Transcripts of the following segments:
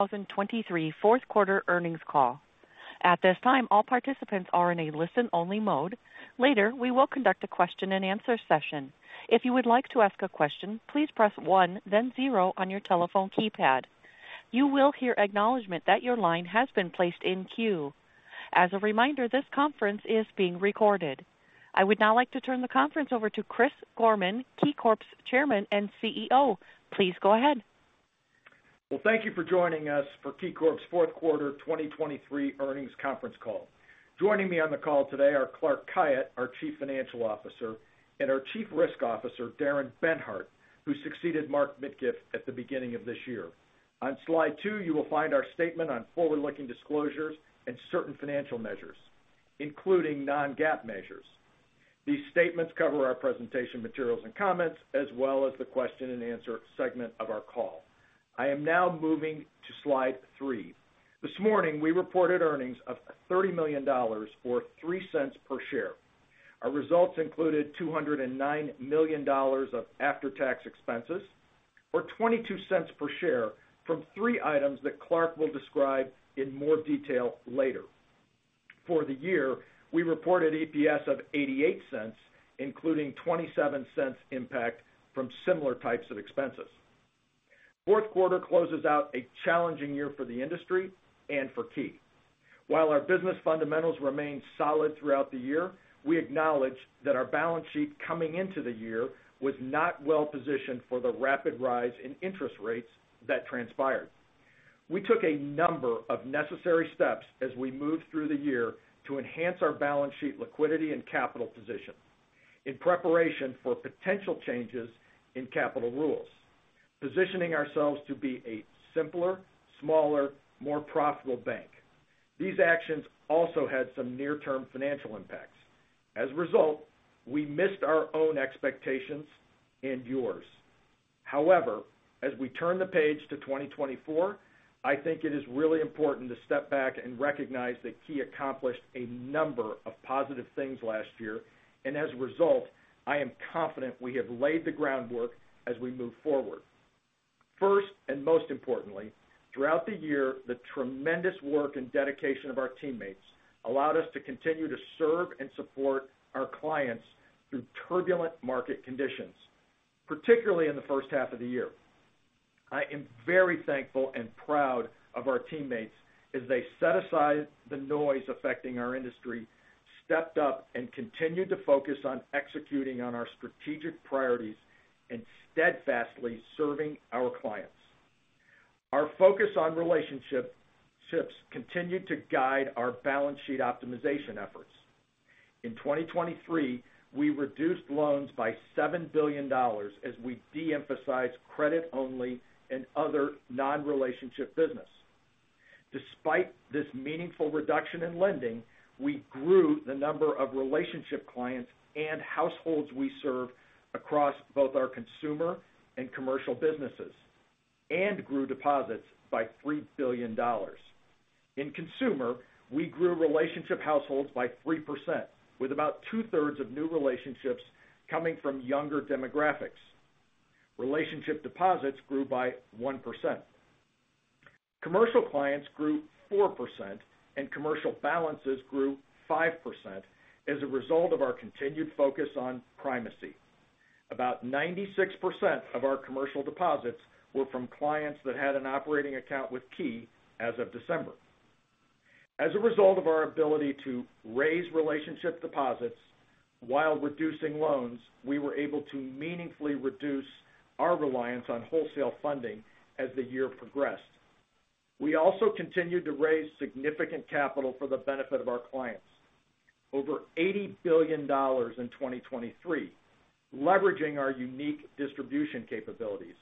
2023 Fourth Quarter Earnings Call. At this time, all participants are in a listen-only mode. Later, we will conduct a question-and-answer session. If you would like to ask a question, please press one, then zero on your telephone keypad. You will hear acknowledgement that your line has been placed in queue. As a reminder, this conference is being recorded. I would now like to turn the conference over to Chris Gorman, KeyCorp's Chairman and CEO. Please go ahead. Well, thank you for joining us for KeyCorp's fourth quarter 2023 earnings conference call. Joining me on the call today are Clark Khayat, our Chief Financial Officer, and our Chief Risk Officer, Darrin Benhart, who succeeded Mark Midkiff at the beginning of this year. On slide two, you will find our statement on forward-looking disclosures and certain financial measures, including non-GAAP measures. These statements cover our presentation materials and comments, as well as the question and answer segment of our call. I am now moving to slide three. This morning, we reported earnings of $30 million or $0.03 per share. Our results included $209 million of after-tax expenses, or $0.22 per share from three items that Clark will describe in more detail later. For the year, we reported EPS of $0.88, including $0.27 impact from similar types of expenses. Fourth quarter closes out a challenging year for the industry and for Key. While our business fundamentals remained solid throughout the year, we acknowledge that our balance sheet coming into the year was not well positioned for the rapid rise in interest rates that transpired. We took a number of necessary steps as we moved through the year to enhance our balance sheet liquidity and capital position in preparation for potential changes in capital rules, positioning ourselves to be a simpler, smaller, more profitable bank. These actions also had some near-term financial impacts. As a result, we missed our own expectations and yours. However, as we turn the page to 2024, I think it is really important to step back and recognize that Key accomplished a number of positive things last year, and as a result, I am confident we have laid the groundwork as we move forward. First, and most importantly, throughout the year, the tremendous work and dedication of our teammates allowed us to continue to serve and support our clients through turbulent market conditions, particularly in the first half of the year. I am very thankful and proud of our teammates as they set aside the noise affecting our industry, stepped up and continued to focus on executing on our strategic priorities and steadfastly serving our clients. Our focus on relationships continued to guide our balance sheet optimization efforts. In 2023, we reduced loans by $7 billion as we de-emphasized credit-only and other non-relationship business. Despite this meaningful reduction in lending, we grew the number of relationship clients and households we serve across both our consumer and commercial businesses, and grew deposits by $3 billion. In consumer, we grew relationship households by 3%, with about two-thirds of new relationships coming from younger demographics. Relationship deposits grew by 1%. Commercial clients grew 4%, and commercial balances grew 5% as a result of our continued focus on primacy. About 96% of our commercial deposits were from clients that had an operating account with Key as of December. As a result of our ability to raise relationship deposits while reducing loans, we were able to meaningfully reduce our reliance on wholesale funding as the year progressed. We also continued to raise significant capital for the benefit of our clients, over $80 billion in 2023, leveraging our unique distribution capabilities.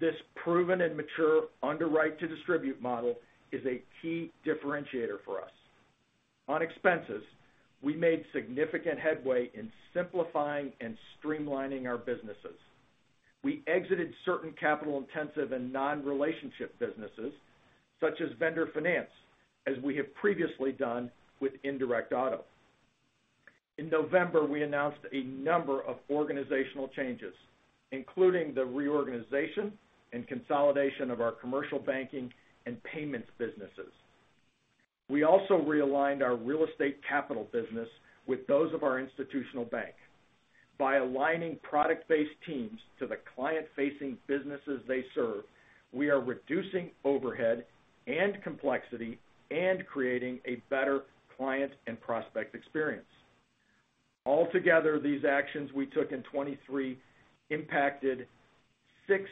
This proven and mature underwrite-to-distribute model is a key differentiator for us. On expenses, we made significant headway in simplifying and streamlining our businesses. We exited certain capital-intensive and non-relationship businesses, such as vendor finance, as we have previously done with indirect auto. In November, we announced a number of organizational changes, including the reorganization and consolidation of our commercial banking and payments businesses. We also realigned our real estate capital business with those of our institutional bank. By aligning product-based teams to the client-facing businesses they serve, we are reducing overhead and complexity and creating a better client and prospect experience. Altogether, these actions we took in 2023 impacted 6%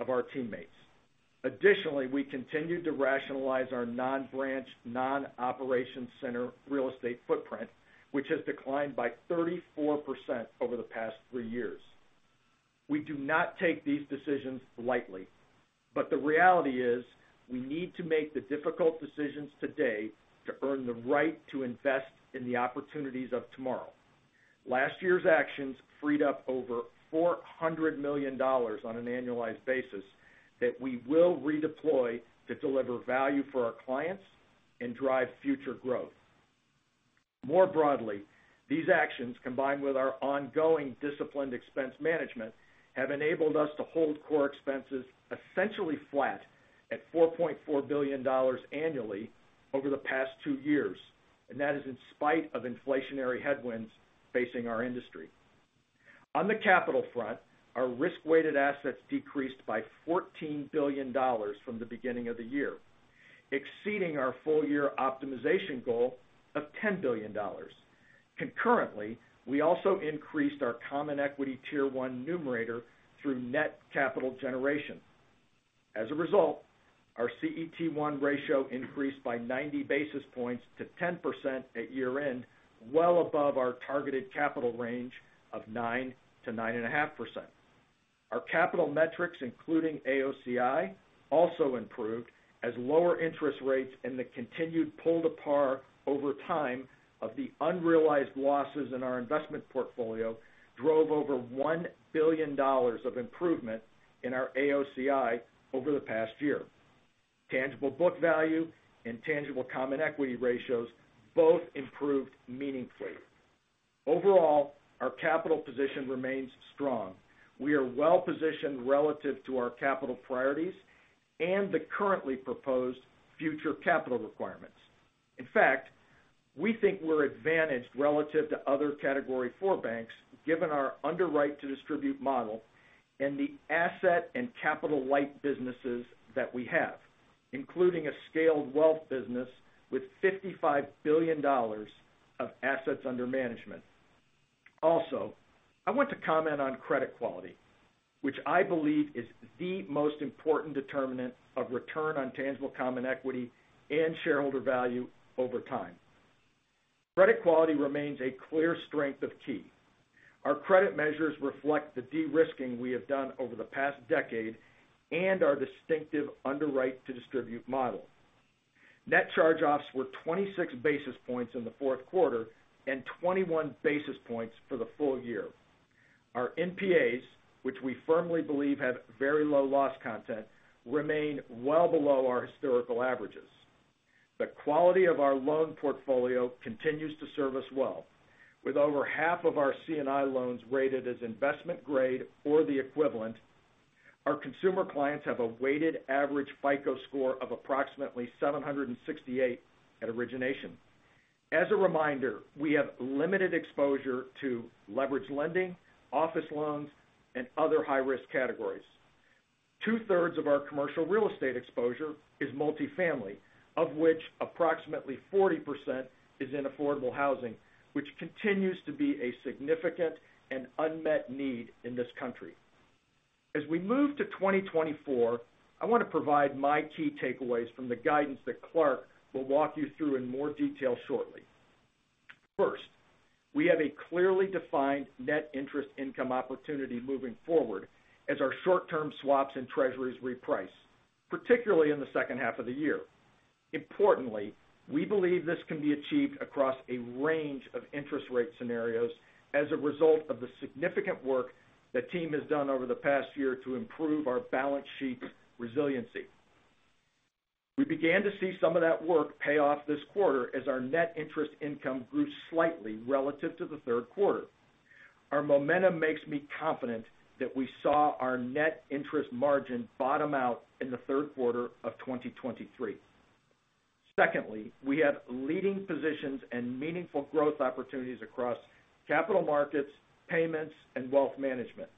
of our teammates. Additionally, we continued to rationalize our non-branch, non-operation center real estate footprint, which has declined by 34% over the past three years. We do not take these decisions lightly, but the reality is, we need to make the difficult decisions today to earn the right to invest in the opportunities of tomorrow. Last year's actions freed up over $400 million on an annualized basis that we will redeploy to deliver value for our clients and drive future growth. More broadly, these actions, combined with our ongoing disciplined expense management, have enabled us to hold core expenses essentially flat at $4.4 billion annually over the past two years, and that is in spite of inflationary headwinds facing our industry. On the capital front, our risk-weighted assets decreased by $14 billion from the beginning of the year, exceeding our full-year optimization goal of $10 billion. Concurrently, we also increased our Common Equity Tier 1 numerator through net capital generation. As a result, our CET1 ratio increased by 90 basis points to 10% at year-end, well above our targeted capital range of 9%-9.5%. Our capital metrics, including AOCI, also improved as lower interest rates and the continued pull to par over time of the unrealized losses in our investment portfolio drove over $1 billion of improvement in our AOCI over the past year. Tangible book value and tangible common equity ratios both improved meaningfully. Overall, our capital position remains strong. We are well positioned relative to our capital priorities and the currently proposed future capital requirements. In fact, we think we're advantaged relative to other Category IV banks, given our underwrite-to-distribute model and the asset and capital-light businesses that we have, including a scaled wealth business with $55 billion of assets under management. Also, I want to comment on credit quality, which I believe is the most important determinant of return on tangible common equity and shareholder value over time. Credit quality remains a clear strength of Key. Our credit measures reflect the de-risking we have done over the past decade and our distinctive underwrite-to-distribute model. Net charge-offs were 26 basis points in the fourth quarter and 21 basis points for the full year. Our NPAs, which we firmly believe have very low loss content, remain well below our historical averages. The quality of our loan portfolio continues to serve us well. With over half of our C&I loans rated as investment grade or the equivalent, our consumer clients have a weighted average FICO score of approximately 768 at origination. As a reminder, we have limited exposure to leverage lending, office loans, and other high-risk categories. Two-thirds of our commercial real estate exposure is multifamily, of which approximately 40% is in affordable housing, which continues to be a significant and unmet need in this country. As we move to 2024, I want to provide my key takeaways from the guidance that Clark will walk you through in more detail shortly. First, we have a clearly defined net interest income opportunity moving forward as our short-term swaps and Treasuries reprice, particularly in the second half of the year. Importantly, we believe this can be achieved across a range of interest rate scenarios as a result of the significant work the team has done over the past year to improve our balance sheet resiliency. We began to see some of that work pay off this quarter as our net interest income grew slightly relative to the third quarter. Our momentum makes me confident that we saw our net interest margin bottom out in the third quarter of 2023. Secondly, we have leading positions and meaningful growth opportunities across capital markets, payments, and wealth management.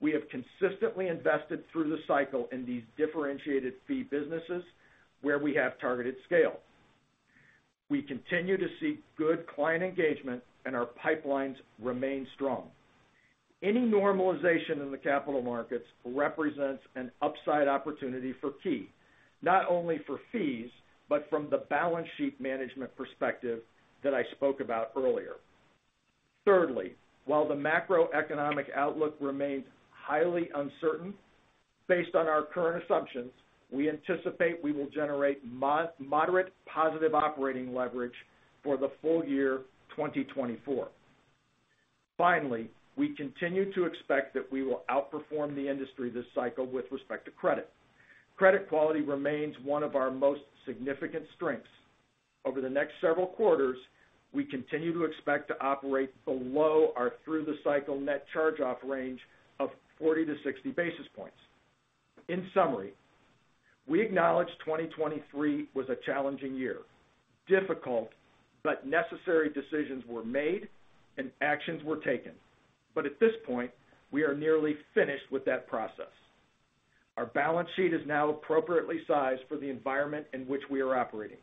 We have consistently invested through the cycle in these differentiated fee businesses where we have targeted scale. We continue to see good client engagement, and our pipelines remain strong. Any normalization in the capital markets represents an upside opportunity for Key, not only for fees, but from the balance sheet management perspective that I spoke about earlier. Thirdly, while the macroeconomic outlook remains highly uncertain, based on our current assumptions, we anticipate we will generate moderate positive operating leverage for the full year 2024. Finally, we continue to expect that we will outperform the industry this cycle with respect to credit. Credit quality remains one of our most significant strengths. Over the next several quarters, we continue to expect to operate below our through-the-cycle net charge-off range of 40-60 basis points. In summary, we acknowledge 2023 was a challenging year. Difficult but necessary decisions were made and actions were taken, but at this point, we are nearly finished with that process. Our balance sheet is now appropriately sized for the environment in which we are operating.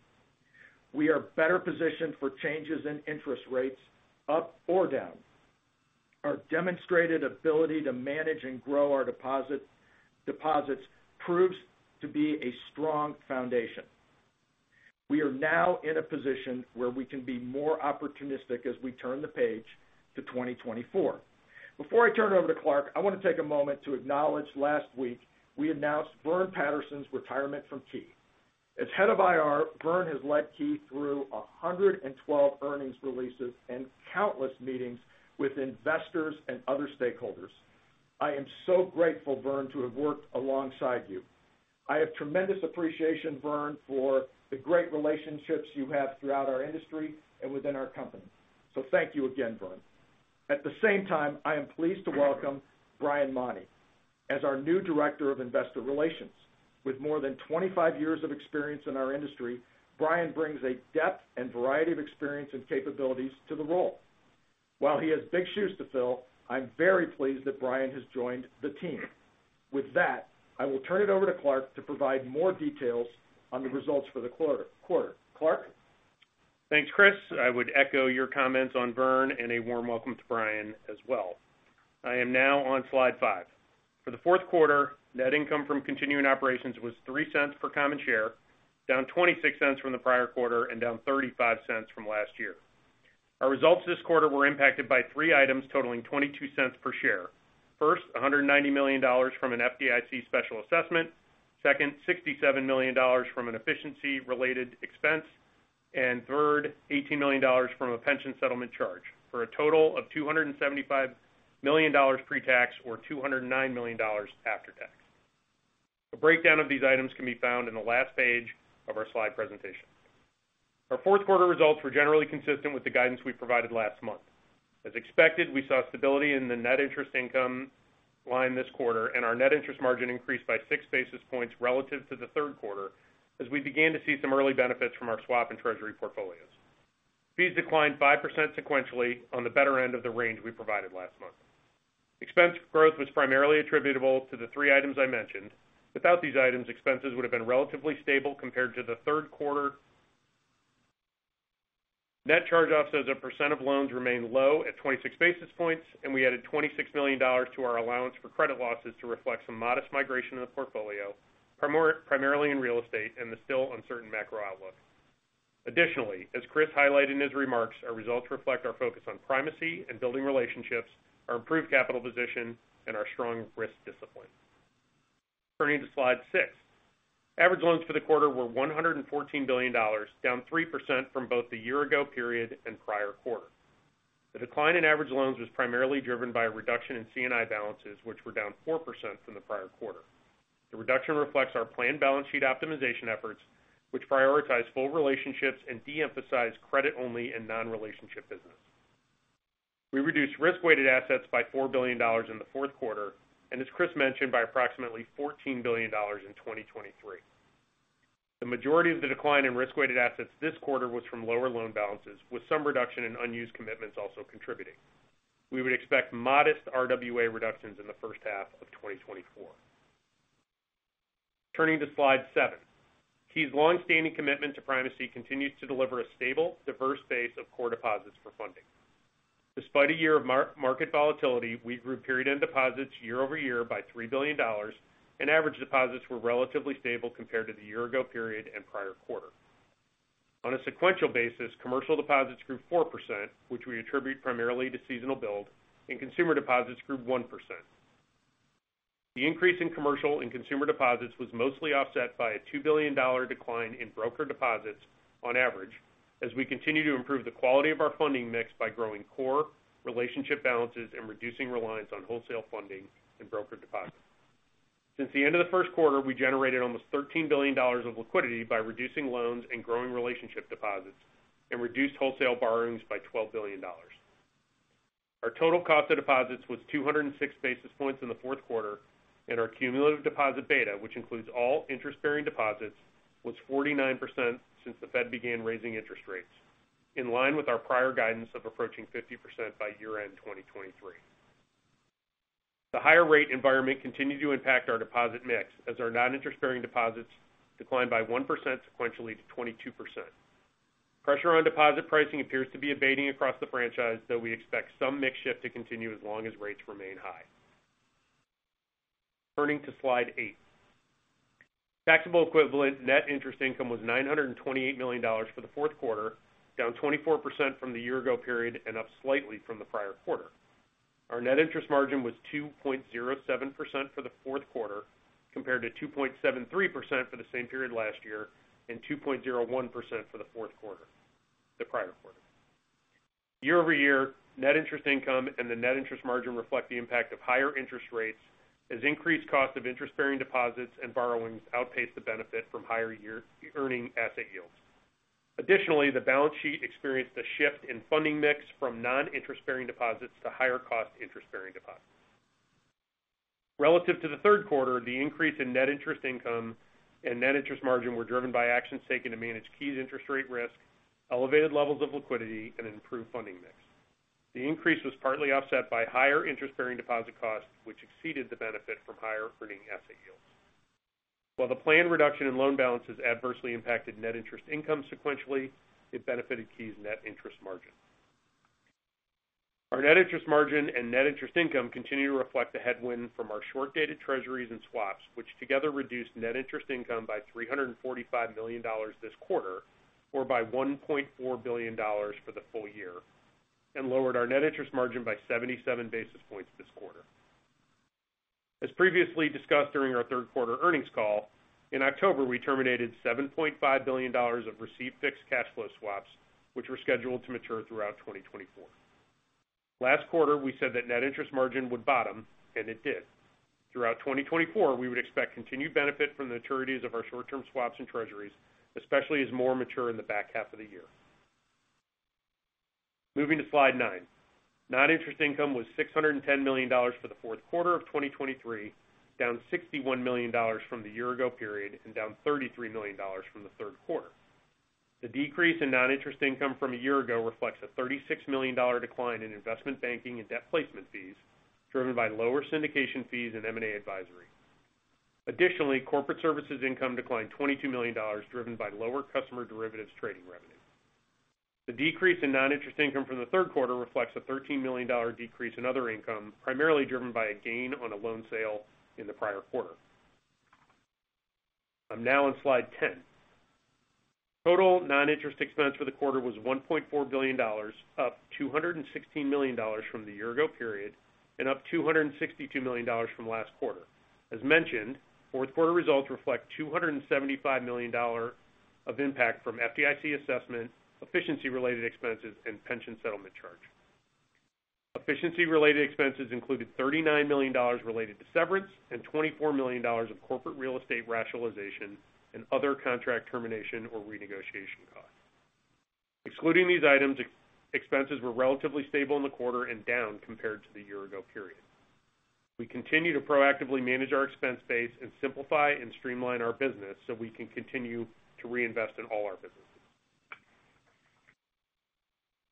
We are better positioned for changes in interest rates, up or down. Our demonstrated ability to manage and grow our deposit-deposits proves to be a strong foundation. We are now in a position where we can be more opportunistic as we turn the page to 2024. Before I turn it over to Clark, I want to take a moment to acknowledge last week we announced Vern Patterson's retirement from Key. As head of IR, Vern has led Key through 112 earnings releases and countless meetings with investors and other stakeholders. I am so grateful, Vern, to have worked alongside you. I have tremendous appreciation, Vern, for the great relationships you have throughout our industry and within our company. So thank you again, Vern. At the same time, I am pleased to welcome Brian Mauney as our new director of investor relations. With more than 25 years of experience in our industry, Brian brings a depth and variety of experience and capabilities to the role. While he has big shoes to fill, I'm very pleased that Brian has joined the team. With that, I will turn it over to Clark to provide more details on the results for the quarter. Clark? Thanks, Chris. I would echo your comments on Vern, and a warm welcome to Brian as well. I am now on slide five. For the fourth quarter, net income from continuing operations was $0.03 per common share, down $0.26 from the prior quarter and down $0.35 from last year. Our results this quarter were impacted by three items totaling $0.22 per share. First, $190 million from an FDIC special assessment. Second, $67 million from an efficiency-related expense. And third, $18 million from a pension settlement charge, for a total of $275 million pre-tax, or $209 million after tax. A breakdown of these items can be found in the last page of our slide presentation. Our fourth quarter results were generally consistent with the guidance we provided last month. As expected, we saw stability in the net interest income line this quarter, and our net interest margin increased by 6 basis points relative to the third quarter, as we began to see some early benefits from our swap and treasury portfolios. Fees declined 5% sequentially on the better end of the range we provided last month. Expense growth was primarily attributable to the three items I mentioned. Without these items, expenses would have been relatively stable compared to the third quarter. Net charge-offs as a percent of loans remained low at 26 basis points, and we added $26 million to our allowance for credit losses to reflect some modest migration in the portfolio, primarily in real estate and the still uncertain macro outlook. Additionally, as Chris highlighted in his remarks, our results reflect our focus on primacy and building relationships, our improved capital position, and our strong risk discipline. Turning to slide six. Average loans for the quarter were $114 billion, down 3% from both the year ago period and prior quarter. The decline in average loans was primarily driven by a reduction in C&I balances, which were down 4% from the prior quarter. The reduction reflects our planned balance sheet optimization efforts, which prioritize full relationships and de-emphasize credit-only and non-relationship business. We reduced risk-weighted assets by $4 billion in the fourth quarter, and as Chris mentioned, by approximately $14 billion in 2023. The majority of the decline in risk-weighted assets this quarter was from lower loan balances, with some reduction in unused commitments also contributing. We would expect modest RWA reductions in the first half of 2024. Turning to slide seven. Key's long-standing commitment to primacy continues to deliver a stable, diverse base of core deposits for funding. Despite a year of market volatility, we grew period-end deposits year-over-year by $3 billion, and average deposits were relatively stable compared to the year ago period and prior quarter. On a sequential basis, commercial deposits grew 4%, which we attribute primarily to seasonal build, and consumer deposits grew 1%. The increase in commercial and consumer deposits was mostly offset by a $2 billion decline in brokered deposits on average, as we continue to improve the quality of our funding mix by growing core relationship balances and reducing reliance on wholesale funding and brokered deposits. Since the end of the first quarter, we generated almost $13 billion of liquidity by reducing loans and growing relationship deposits and reduced wholesale borrowings by $12 billion. Our total cost of deposits was 206 basis points in the fourth quarter, and our cumulative deposit beta, which includes all interest-bearing deposits, was 49% since the Fed began raising interest rates, in line with our prior guidance of approaching 50% by year-end 2023. The higher rate environment continued to impact our deposit mix, as our non-interest-bearing deposits declined by 1% sequentially to 22%. Pressure on deposit pricing appears to be abating across the franchise, though we expect some mix shift to continue as long as rates remain high. Turning to slide eight. Taxable equivalent net interest income was $928 million for the fourth quarter, down 24% from the year ago period and up slightly from the prior quarter. Our net interest margin was 2.07% for the fourth quarter, compared to 2.73% for the same period last year, and 2.01% for the fourth quarter, the prior quarter. Year-over-year, net interest income and the net interest margin reflect the impact of higher interest rates, as increased cost of interest-bearing deposits and borrowings outpaced the benefit from higher-yielding asset yields. Additionally, the balance sheet experienced a shift in funding mix from non-interest-bearing deposits to higher cost interest-bearing deposits. Relative to the third quarter, the increase in net interest income and net interest margin were driven by actions taken to manage Key's interest rate risk, elevated levels of liquidity, and improved funding mix. The increase was partly offset by higher interest-bearing deposit costs, which exceeded the benefit from higher earning asset yields. While the planned reduction in loan balances adversely impacted net interest income sequentially, it benefited Key's net interest margin. Our net interest margin and net interest income continue to reflect the headwind from our short-dated Treasuries and swaps, which together reduced net interest income by $345 million this quarter, or by $1.4 billion for the full year, and lowered our net interest margin by 77 basis points this quarter. As previously discussed during our third quarter earnings call, in October, we terminated $7.5 billion of receive-fixed cash flow swaps, which were scheduled to mature throughout 2024. Last quarter, we said that net interest margin would bottom, and it did. Throughout 2024, we would expect continued benefit from the maturities of our short-term swaps and Treasuries, especially as more mature in the back half of the year. Moving to slide nine. Non-interest income was $610 million for the fourth quarter of 2023, down $61 million from the year ago period and down $33 million from the third quarter. The decrease in non-interest income from a year ago reflects a $36 million dollar decline in investment banking and debt placement fees, driven by lower syndication fees and M&A advisory. Additionally, corporate services income declined $22 million, driven by lower customer derivatives trading revenue. The decrease in non-interest income from the third quarter reflects a $13 million decrease in other income, primarily driven by a gain on a loan sale in the prior quarter. I'm now on slide 10. Total non-interest expense for the quarter was $1.4 billion, up $216 million from the year ago period, and up $262 million from last quarter. As mentioned, fourth quarter results reflect $275 million of impact from FDIC assessment, efficiency-related expenses, and pension settlement charge. Efficiency-related expenses included $39 million related to severance and $24 million of corporate real estate rationalization and other contract termination or renegotiation costs. Excluding these items, expenses were relatively stable in the quarter and down compared to the year ago period. We continue to proactively manage our expense base and simplify and streamline our business so we can continue to reinvest in all our businesses.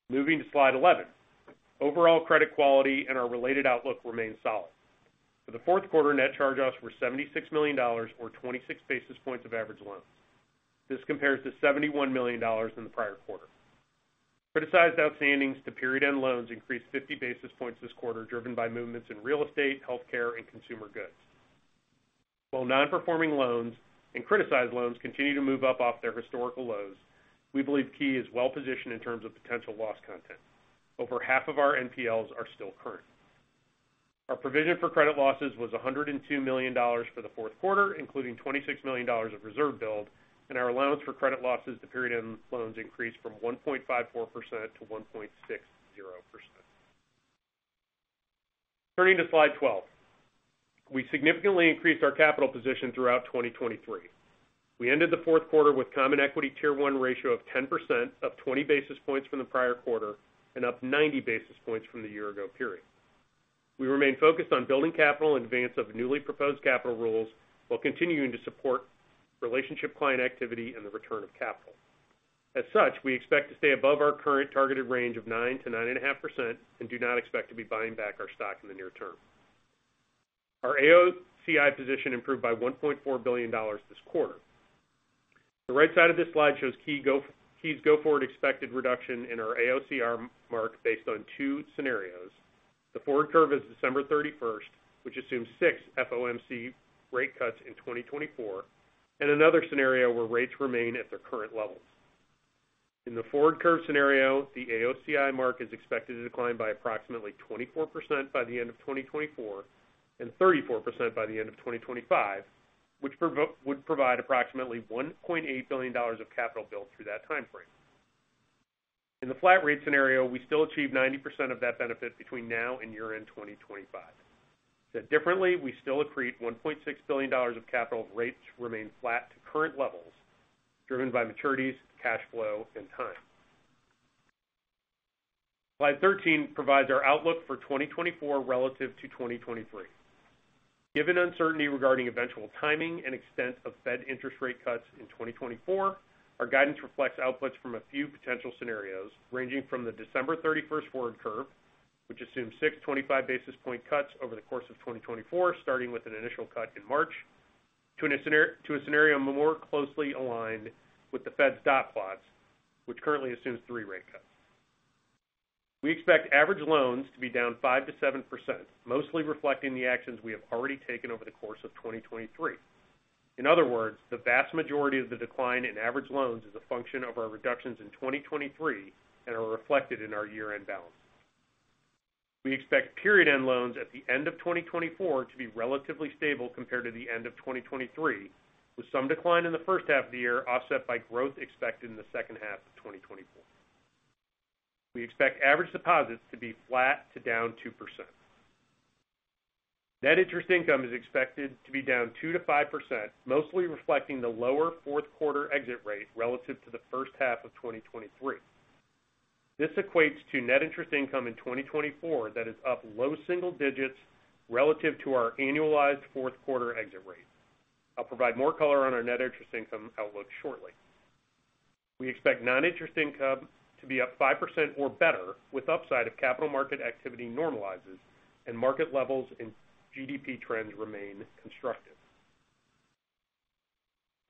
Moving to slide 11. Overall credit quality and our related outlook remain solid. For the fourth quarter, net charge-offs were $76 million, or 26 basis points of average loans. This compares to $71 million in the prior quarter. Criticized outstandings to period-end loans increased 50 basis points this quarter, driven by movements in real estate, healthcare, and consumer goods. While non-performing loans and criticized loans continue to move up off their historical lows, we believe Key is well positioned in terms of potential loss content. Over half of our NPLs are still current. Our provision for credit losses was $102 million for the fourth quarter, including $26 million of reserve build, and our allowance for credit losses to period-end loans increased from 1.54% to 1.60%. Turning to slide 12. We significantly increased our capital position throughout 2023. We ended the fourth quarter with Common Equity Tier 1 ratio of 10%, up 20 basis points from the prior quarter and up 90 basis points from the year ago period. We remain focused on building capital in advance of newly proposed capital rules, while continuing to support relationship client activity and the return of capital. As such, we expect to stay above our current targeted range of 9%-9.5% and do not expect to be buying back our stock in the near term. Our AOCI position improved by $1.4 billion this quarter. The right side of this slide shows Key's go-forward expected reduction in our AOCI mark based on two scenarios. The forward curve is December thirty-first, which assumes six FOMC rate cuts in 2024, and another scenario where rates remain at their current levels. In the forward curve scenario, the AOCI mark is expected to decline by approximately 24% by the end of 2024, and 34% by the end of 2025, which would provide approximately $1.8 billion of capital build through that time frame. In the flat rate scenario, we still achieve 90% of that benefit between now and year-end 2025. Said differently, we still accrete $1.6 billion of capital if rates remain flat to current levels, driven by maturities, cash flow, and time. Slide 13 provides our outlook for 2024 relative to 2023. Given uncertainty regarding eventual timing and extent of Fed interest rate cuts in 2024, our guidance reflects outputs from a few potential scenarios, ranging from the December 31st forward curve, which assumes six 25 basis point cuts over the course of 2024, starting with an initial cut in March, to a scenario more closely aligned with the Fed's dot plots, which currently assumes three rate cuts. We expect average loans to be down 5%-7%, mostly reflecting the actions we have already taken over the course of 2023. In other words, the vast majority of the decline in average loans is a function of our reductions in 2023 and are reflected in our year-end balance. We expect period-end loans at the end of 2024 to be relatively stable compared to the end of 2023, with some decline in the first half of the year, offset by growth expected in the second half of 2024. We expect average deposits to be flat to down 2%. Net interest income is expected to be down 2%-5%, mostly reflecting the lower fourth quarter exit rate relative to the first half of 2023. This equates to net interest income in 2024 that is up low single digits relative to our annualized fourth quarter exit rate. I'll provide more color on our net interest income outlook shortly. We expect non-interest income to be up 5% or better, with upside if capital market activity normalizes and market levels and GDP trends remain constructive.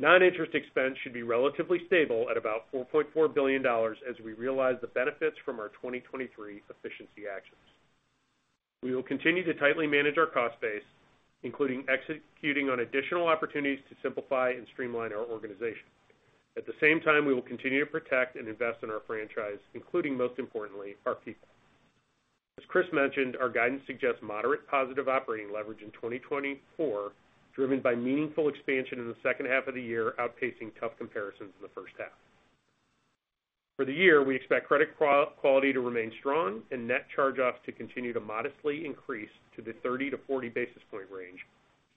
Noninterest expense should be relatively stable at about $4.4 billion as we realize the benefits from our 2023 efficiency actions. We will continue to tightly manage our cost base, including executing on additional opportunities to simplify and streamline our organization. At the same time, we will continue to protect and invest in our franchise, including, most importantly, our people. As Chris mentioned, our guidance suggests moderate positive operating leverage in 2024, driven by meaningful expansion in the second half of the year, outpacing tough comparisons in the first half. For the year, we expect credit quality to remain strong and net charge-offs to continue to modestly increase to the 30-40 basis point range,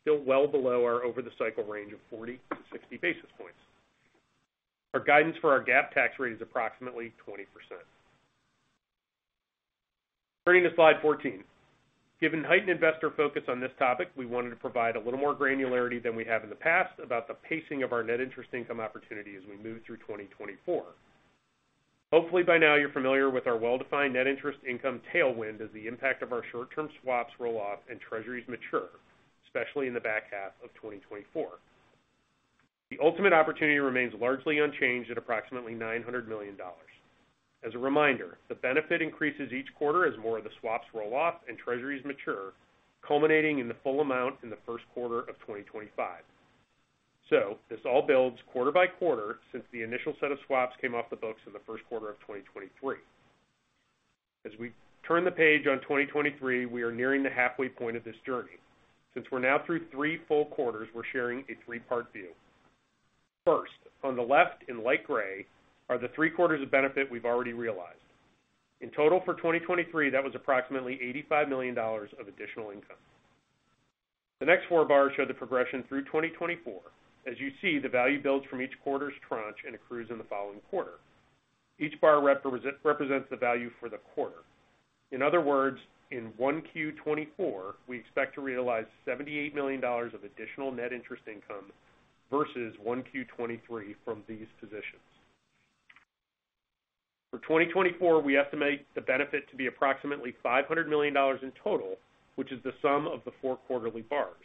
still well below our over-the-cycle range of 40-60 basis points. Our guidance for our GAAP tax rate is approximately 20%. Turning to slide 14. Given heightened investor focus on this topic, we wanted to provide a little more granularity than we have in the past about the pacing of our net interest income opportunity as we move through 2024. Hopefully, by now, you're familiar with our well-defined net interest income tailwind as the impact of our short-term swaps roll off and Treasuries mature, especially in the back half of 2024. The ultimate opportunity remains largely unchanged at approximately $900 million. As a reminder, the benefit increases each quarter as more of the swaps roll off and Treasuries mature, culminating in the full amount in the first quarter of 2025. So this all builds quarter by quarter since the initial set of swaps came off the books in the first quarter of 2023. As we turn the page on 2023, we are nearing the halfway point of this journey. Since we're now through three full quarters, we're sharing a three-part view. First, on the left in light gray, are the three quarters of benefit we've already realized. In total, for 2023, that was approximately $85 million of additional income. The next four bars show the progression through 2024. As you see, the value builds from each quarter's tranche and accrues in the following quarter. Each bar represents the value for the quarter. In other words, in 1Q 2024, we expect to realize $78 million of additional net interest income versus 1Q 2023 from these positions. For 2024, we estimate the benefit to be approximately $500 million in total, which is the sum of the four quarterly bars.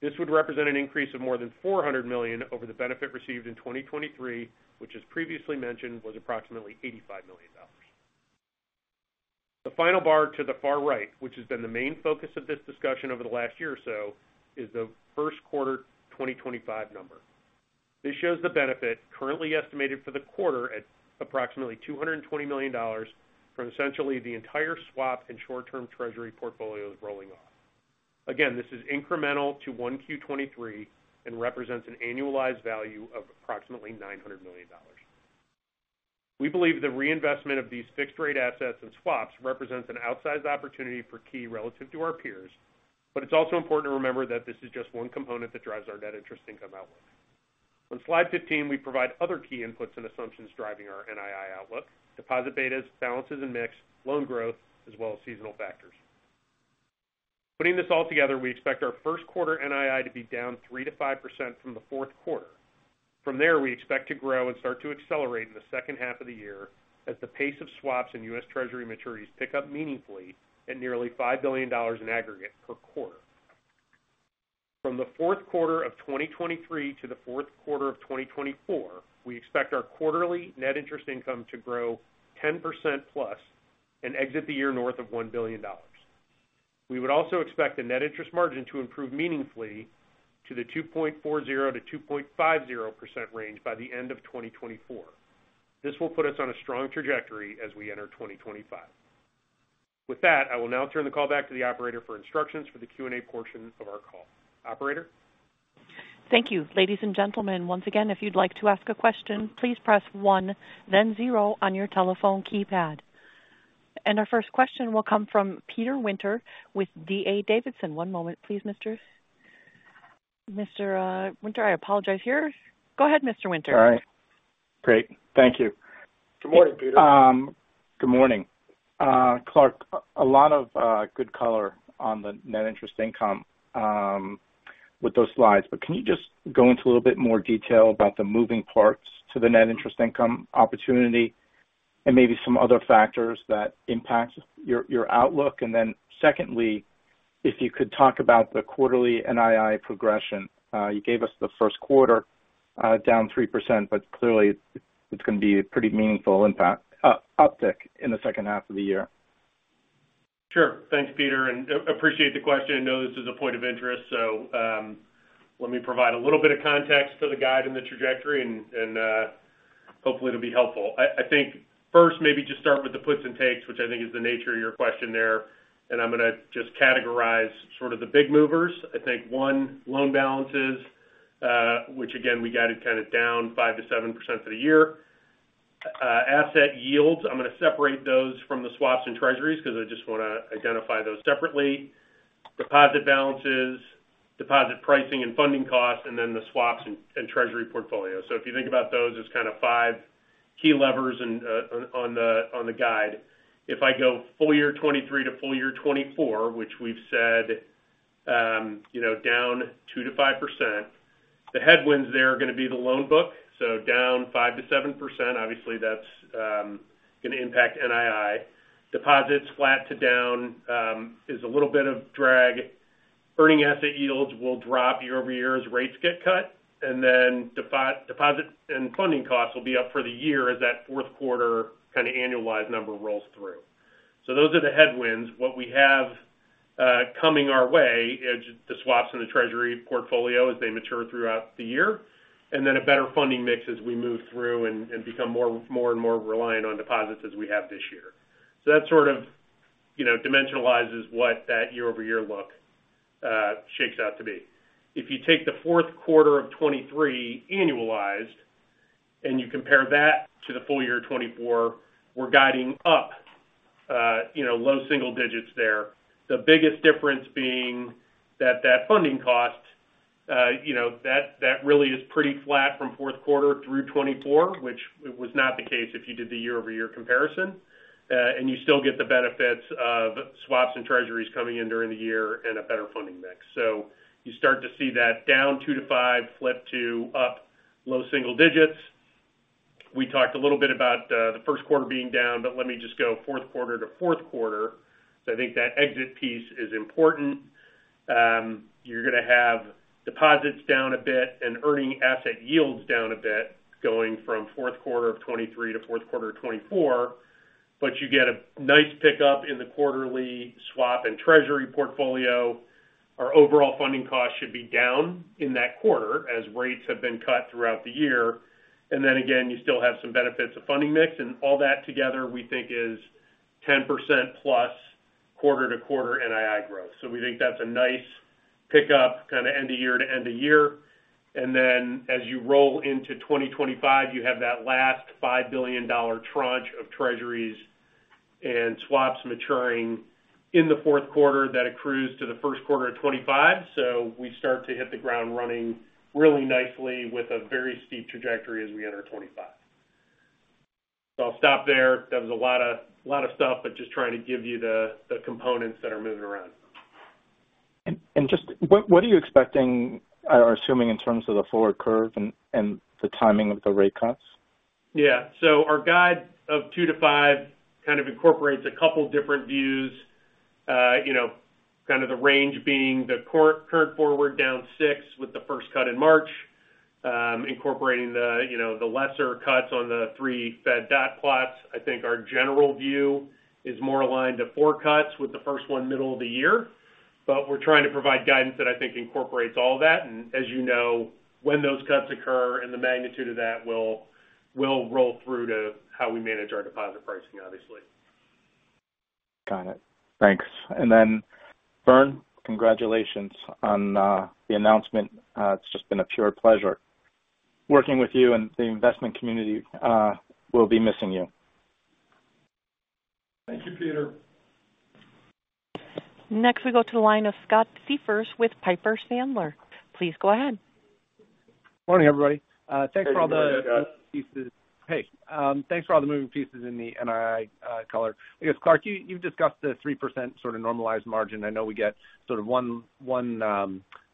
This would represent an increase of more than $400 million over the benefit received in 2023, which, as previously mentioned, was approximately $85 million. The final bar to the far right, which has been the main focus of this discussion over the last year or so, is the first quarter 2025 number. This shows the benefit currently estimated for the quarter at approximately $220 million from essentially the entire swap and short-term Treasury portfolios rolling off. Again, this is incremental to 1Q 2023 and represents an annualized value of approximately $900 million. We believe the reinvestment of these fixed rate assets and swaps represents an outsized opportunity for Key relative to our peers. But it's also important to remember that this is just one component that drives our net interest income outlook. On slide 15, we provide other key inputs and assumptions driving our NII outlook, deposit betas, balances and mix, loan growth, as well as seasonal factors. Putting this all together, we expect our first quarter NII to be down 3%-5% from the fourth quarter. From there, we expect to grow and start to accelerate in the second half of the year as the pace of swaps in U.S. Treasury maturities pick up meaningfully at nearly $5 billion in aggregate per quarter. From the fourth quarter of 2023 to the fourth quarter of 2024, we expect our quarterly net interest income to grow 10%+ and exit the year north of $1 billion. We would also expect the net interest margin to improve meaningfully to the 2.40%-2.50% range by the end of 2024. This will put us on a strong trajectory as we enter 2025. With that, I will now turn the call back to the operator for instructions for the Q&A portion of our call. Operator? Thank you. Ladies and gentlemen, once again, if you'd like to ask a question, please press one, then zero on your telephone keypad. Our first question will come from Peter Winter with D.A. Davidson. One moment, please, Mr. Winter. I apologize. Here. Go ahead, Mr. Winter. All right. Great. Thank you. Good morning, Peter. Good morning. Clark, a lot of good color on the net interest income with those slides, but can you just go into a little bit more detail about the moving parts to the net interest income opportunity and maybe some other factors that impacts your, your outlook? And then secondly, if you could talk about the quarterly NII progression. You gave us the first quarter down 3%, but clearly, it's gonna be a pretty meaningful impact uptick in the second half of the year. Sure. Thanks, Peter, and appreciate the question. I know this is a point of interest, so let me provide a little bit of context to the guide and the trajectory, and hopefully, it'll be helpful. I think first, maybe just start with the puts and takes, which I think is the nature of your question there, and I'm gonna just categorize sort of the big movers. I think, one, loan balances, which again, we guided kind of down 5%-7% for the year. Asset yields, I'm gonna separate those from the swaps and Treasuries because I just wanna identify those separately. Deposit balances, deposit pricing and funding costs, and then the swaps and Treasury portfolio. So if you think about those as kind of five key levers and on the guide. If I go full year 2023 to full year 2024, which we've said, you know, down 2%-5%, the headwinds there are gonna be the loan book, so down 5%-7%. Obviously, that's gonna impact NII. Deposits flat to down is a little bit of drag. Earning asset yields will drop year-over-year as rates get cut, and then deposit and funding costs will be up for the year as that fourth quarter kind of annualized number rolls through. So those are the headwinds. What we have coming our way is the swaps in the Treasury portfolio as they mature throughout the year, and then a better funding mix as we move through and become more and more reliant on deposits as we have this year. So that sort of, you know, dimensionalizes what that year-over-year look is shapes out to be. If you take the fourth quarter of 2023 annualized and you compare that to the full year of 2024, we're guiding up, you know, low single digits there. The biggest difference being that, that funding cost, you know, that, that really is pretty flat from fourth quarter through 2024, which it was not the case if you did the year-over-year comparison. And you still get the benefits of swaps and Treasuries coming in during the year and a better funding mix. So you start to see that down two to five, flip to up low single digits. We talked a little bit about, the first quarter being down, but let me just go fourth quarter to fourth quarter. So I think that exit piece is important. You're going to have deposits down a bit and earning asset yields down a bit, going from fourth quarter of 2023 to fourth quarter of 2024, but you get a nice pickup in the quarterly swap and Treasury portfolio. Our overall funding costs should be down in that quarter as rates have been cut throughout the year. And then again, you still have some benefits of funding mix, and all that together, we think is 10%+ quarter-to-quarter NII growth. So we think that's a nice pickup kind of end of year to end of year. And then as you roll into 2025, you have that last $5 billion tranche of treasuries and swaps maturing in the fourth quarter that accrues to the first quarter of 2025. So we start to hit the ground running really nicely with a very steep trajectory as we enter 2025. So I'll stop there. That was a lot of, a lot of stuff, but just trying to give you the, the components that are moving around. And just what are you expecting or assuming in terms of the forward curve and the timing of the rate cuts? Yeah. So our guide of two to five-kind of incorporates a couple different views, you know, kind of the range being the current forward down six with the first cut in March, incorporating the, you know, the lesser cuts on the three Fed dot plots. I think our general view is more aligned to four cuts with the first one middle of the year. But we're trying to provide guidance that I think incorporates all that. And as you know, when those cuts occur and the magnitude of that will roll through to how we manage our deposit pricing, obviously. Got it. Thanks. And then, Vern, congratulations on the announcement. It's just been a pure pleasure working with you, and the investment community will be missing you. Thank you, Peter. Next, we go to the line of Scott Siefers with Piper Sandler. Please go ahead. Morning, everybody. Hey, good morning, Scott. Thanks for all the pieces. Hey, thanks for all the moving pieces in the NII, color. I guess, Clark, you, you've discussed the 3% sort of normalized margin. I know we get sort of one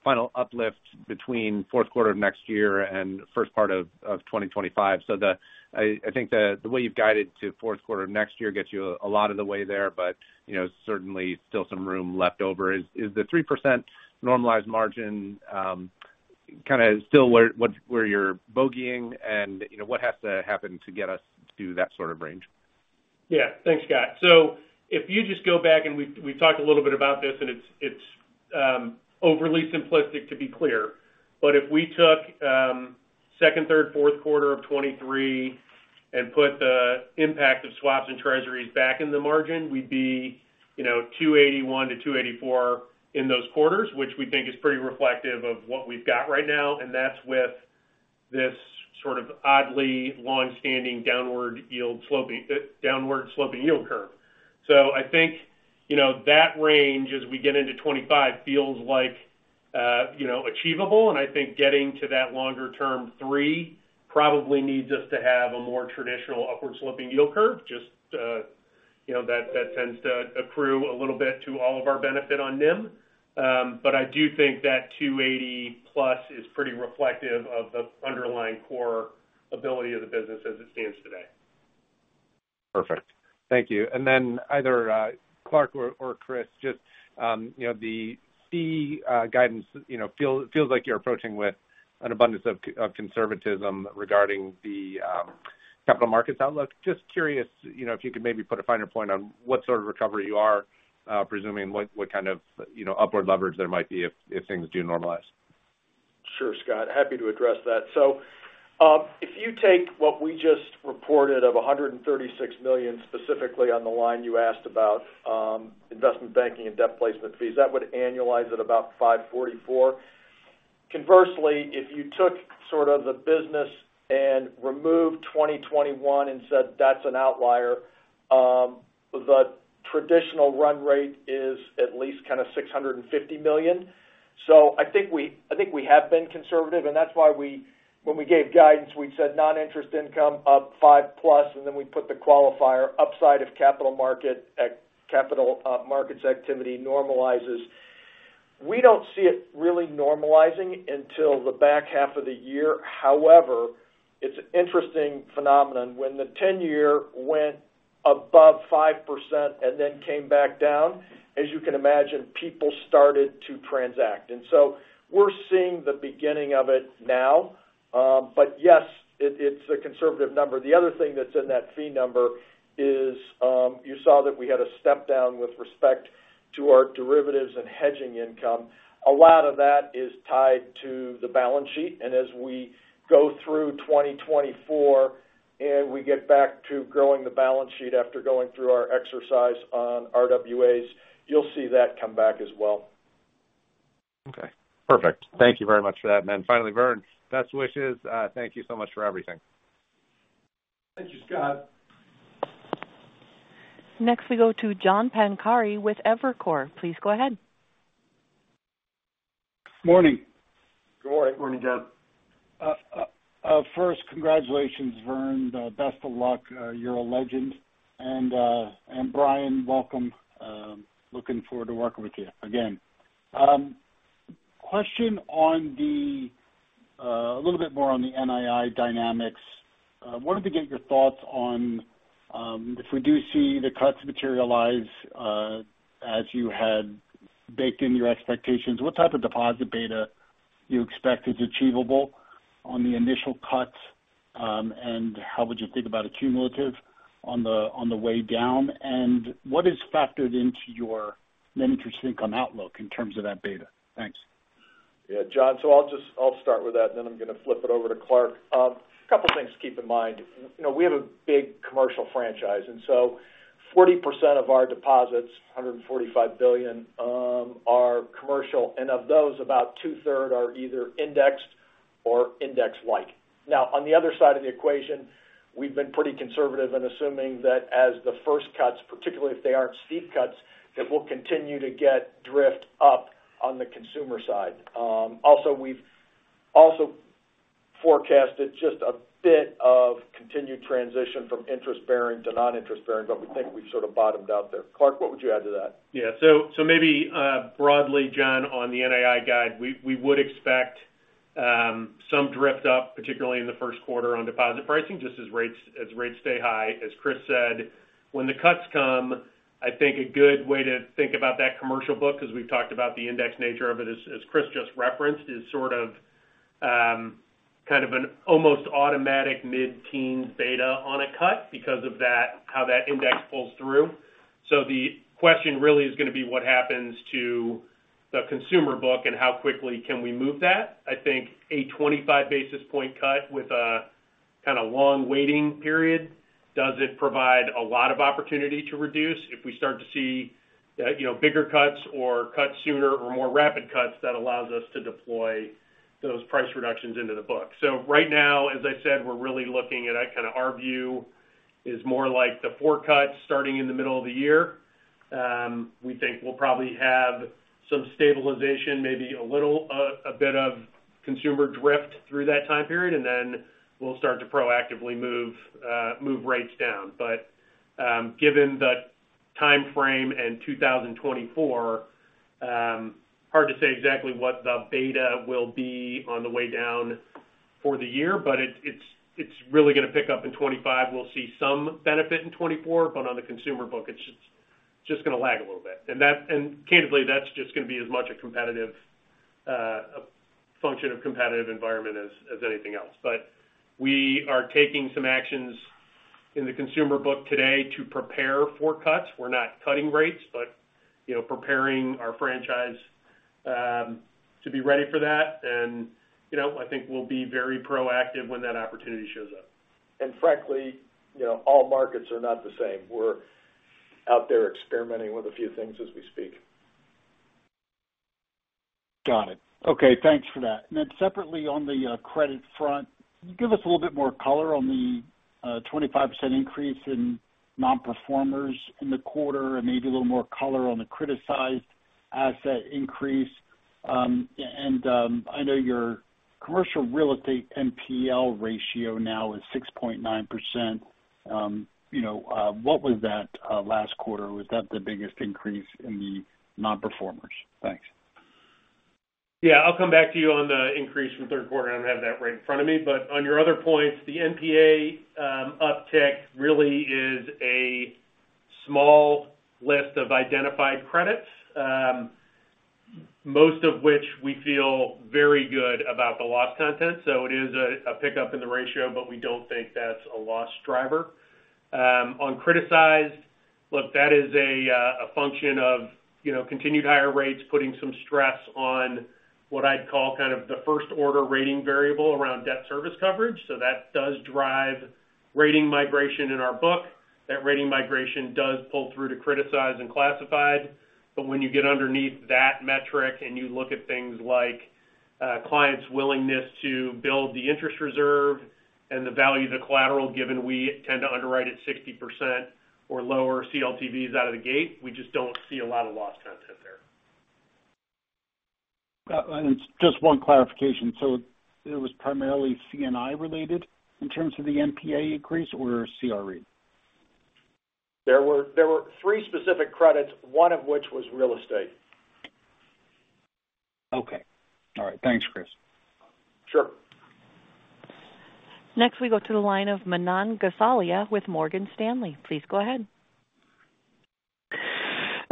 final uplift between fourth quarter of next year and first part of 2025. So, the way you've guided to fourth quarter of next year gets you a lot of the way there, but, you know, certainly still some room left over. Is the 3% normalized margin kind of still where you're bogeying? And, you know, what has to happen to get us to that sort of range? Yeah. Thanks, Scott. So if you just go back, and we talked a little bit about this, and it's overly simplistic to be clear. But if we took second, third, fourth quarter of 2023 and put the impact of swaps and Treasuries back in the margin, we'd be, you know, 2.81-2.84 in those quarters, which we think is pretty reflective of what we've got right now, and that's with this sort of oddly long-standing downward yield sloping, downward sloping yield curve. So I think, you know, that range, as we get into 2025, feels like, you know, achievable, and I think getting to that longer term three probably needs us to have a more traditional upward sloping yield curve. Just, you know, that tends to accrue a little bit to all of our benefit on NIM. But I do think that 280+ is pretty reflective of the underlying core ability of the business as it stands today. Perfect. Thank you. And then either Clark or Chris, just, you know, the fee guidance, you know, feels like you're approaching with an abundance of conservatism regarding the capital markets outlook. Just curious, you know, if you could maybe put a finer point on what sort of recovery you are presuming, what kind of, you know, upward leverage there might be if things do normalize. Sure, Scott. Happy to address that. So, if you take what we just reported of $136 million, specifically on the line you asked about, investment banking and debt placement fees, that would annualize at about $544 million. Conversely, if you took sort of the business and removed 2021 and said that's an outlier, the traditional run rate is at least kind of $650 million. So I think we, I think we have been conservative, and that's why we, when we gave guidance, we said non-interest income up 5%+, and then we put the qualifier upside if capital markets activity normalizes. We don't see it really normalizing until the back half of the year. However, it's an interesting phenomenon. When the 10-year went above 5% and then came back down, as you can imagine, people started to transact. And so we're seeing the beginning of it now. But yes, it's a conservative number. The other thing that's in that fee number is, you saw that we had a step down with respect to our derivatives and hedging income. A lot of that is tied to the balance sheet, and as we go through 2024, and we get back to growing the balance sheet after going through our exercise on RWAs, you'll see that come back as well. Perfect. Thank you very much for that. And then finally, Vern, best wishes. Thank you so much for everything. Thank you, Scott. Next, we go to John Pancari with Evercore. Please go ahead. Morning! Good morning. Morning, John. First, congratulations, Vern. Best of luck. You're a legend. And Brian, welcome. Looking forward to working with you again. Question on a little bit more on the NII dynamics. Wanted to get your thoughts on if we do see the cuts materialize as you had baked in your expectations, what type of deposit beta you expect is achievable on the initial cuts? And how would you think about a cumulative on the way down? And what is factored into your net interest income outlook in terms of that beta? Thanks. Yeah, John, so I'll start with that, and then I'm going to flip it over to Clark. A couple things to keep in mind. You know, we have a big commercial franchise, and so 40% of our deposits, $145 billion, are commercial, and of those, about 2/3 are either indexed or index-like. Now, on the other side of the equation, we've been pretty conservative in assuming that as the first cuts, particularly if they aren't steep cuts, that we'll continue to get drift up on the consumer side. Also, we've also forecasted just a bit of continued transition from interest-bearing to non-interest-bearing, but we think we've sort of bottomed out there. Clark, what would you add to that? Yeah, so maybe broadly, John, on the NII guide, we would expect some drift up, particularly in the first quarter on deposit pricing, just as rates stay high. As Chris said, when the cuts come, I think a good way to think about that commercial book, because we've talked about the index nature of it, as Chris just referenced, is sort of kind of an almost automatic mid-teen beta on a cut because of that, how that index pulls through. So the question really is going to be what happens to the consumer book and how quickly can we move that? I think a 25 basis point cut with a kind of long waiting period, does it provide a lot of opportunity to reduce? If we start to see, you know, bigger cuts or cuts sooner or more rapid cuts, that allows us to deploy those price reductions into the book. So right now, as I said, we're really looking at kind of our view is more like the four cuts starting in the middle of the year. We think we'll probably have some stabilization, maybe a little, a bit of consumer drift through that time period, and then we'll start to proactively move, move rates down. But, given the timeframe and 2024, hard to say exactly what the beta will be on the way down for the year, but it's really going to pick up in 2025. We'll see some benefit in 2024, but on the consumer book, it's just, just going to lag a little bit. And candidly, that's just going to be as much a competitive function of competitive environment as anything else. But we are taking some actions in the consumer book today to prepare for cuts. We're not cutting rates, but, you know, preparing our franchise to be ready for that. And, you know, I think we'll be very proactive when that opportunity shows up. Frankly, you know, all markets are not the same. We're out there experimenting with a few things as we speak. Got it. Okay, thanks for that. And then separately, on the credit front, can you give us a little bit more color on the 25% increase in nonperformers in the quarter and maybe a little more color on the criticized asset increase? And I know your commercial real estate NPL ratio now is 6.9%. You know, what was that last quarter? Was that the biggest increase in the nonperformers? Thanks. Yeah, I'll come back to you on the increase from the third quarter. I don't have that right in front of me. But on your other points, the NPA uptick really is a small list of identified credits, most of which we feel very good about the loss content. So it is a pickup in the ratio, but we don't think that's a loss driver. On criticized, look, that is a function of, you know, continued higher rates, putting some stress on what I'd call kind of the first order rating variable around debt service coverage. So that does drive rating migration in our book. That rating migration does pull through to criticize and classified. But when you get underneath that metric and you look at things like, clients' willingness to build the interest reserve and the value of the collateral, given we tend to underwrite at 60% or lower CLTVs out of the gate, we just don't see a lot of loss content there. Just one clarification. It was primarily C&I related in terms of the NPA increase or CRE? There were three specific credits, one of which was real estate. Okay. All right. Thanks, Chris. Sure. Next, we go to the line of Manan Gosalia with Morgan Stanley. Please go ahead.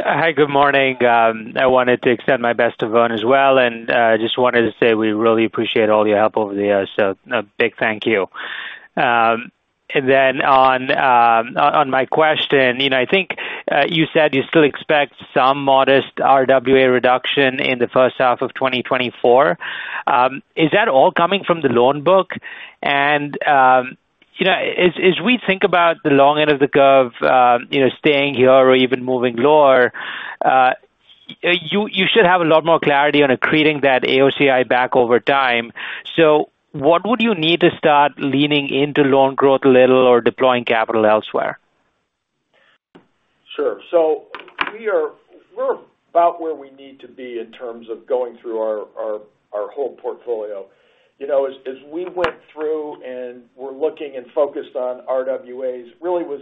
Hi, good morning. I wanted to extend my best to Vern as well, and just wanted to say we really appreciate all your help over the years, so a big thank you. And then on my question, you know, I think you said you still expect some modest RWA reduction in the first half of 2024. Is that all coming from the loan book? And you know, as we think about the long end of the curve, you know, staying here or even moving lower, you should have a lot more clarity on accreting that AOCI back over time. So what would you need to start leaning into loan growth a little or deploying capital elsewhere? Sure. So we're about where we need to be in terms of going through our whole portfolio. You know, as we went through and we're looking and focused on RWAs, really was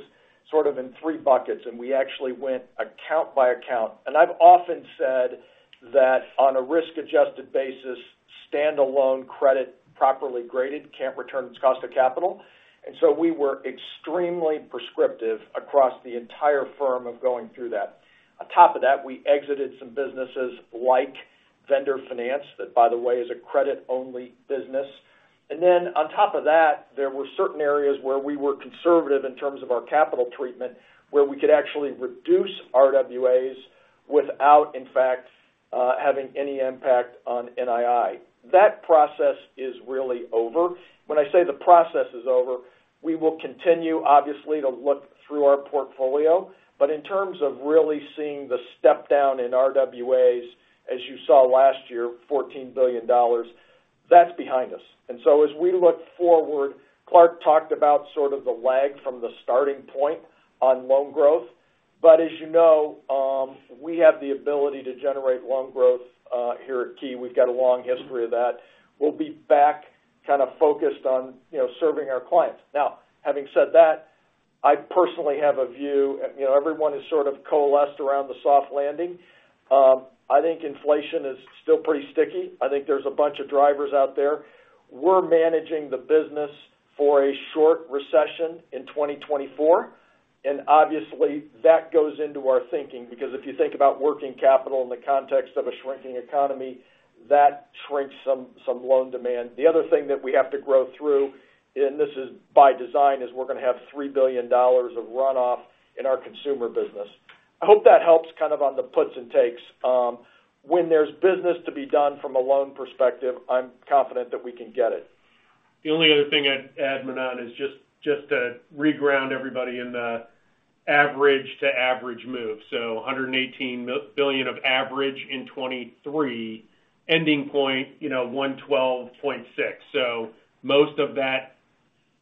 sort of in three buckets, and we actually went account by account. And I've often said that on a risk-adjusted basis, standalone credit properly graded can't return its cost of capital. And so we were extremely prescriptive across the entire firm of going through that. On top of that, we exited some businesses like vendor finance, that, by the way, is a credit-only business. And then on top of that, there were certain areas where we were conservative in terms of our capital treatment, where we could actually reduce RWAs without, in fact, having any impact on NII. That process is really over. When I say the process is over, we will continue, obviously, to look through our portfolio. But in terms of really seeing the step down in RWAs, as you saw last year, $14 billion, that's behind us. And so as we look forward, Clark talked about sort of the lag from the starting point on loan growth. But as you know, we have the ability to generate loan growth, here at Key. We've got a long history of that. We'll be back kind of focused on, you know, serving our clients. Now, having said that, I personally have a view. You know, everyone is sort of coalesced around the soft landing. I think inflation is still pretty sticky. I think there's a bunch of drivers out there. We're managing the business for a short recession in 2024, and obviously, that goes into our thinking. Because if you think about working capital in the context of a shrinking economy, that shrinks some, some loan demand. The other thing that we have to grow through, and this is by design, is we're going to have $3 billion of runoff in our consumer business. I hope that helps kind of on the puts and takes. When there's business to be done from a loan perspective, I'm confident that we can get it. The only other thing I'd add, Manan, is just, just to reground everybody in the average to average move. So $118 billion of average in 2023, ending point, you know, $112.6 billion. So most of that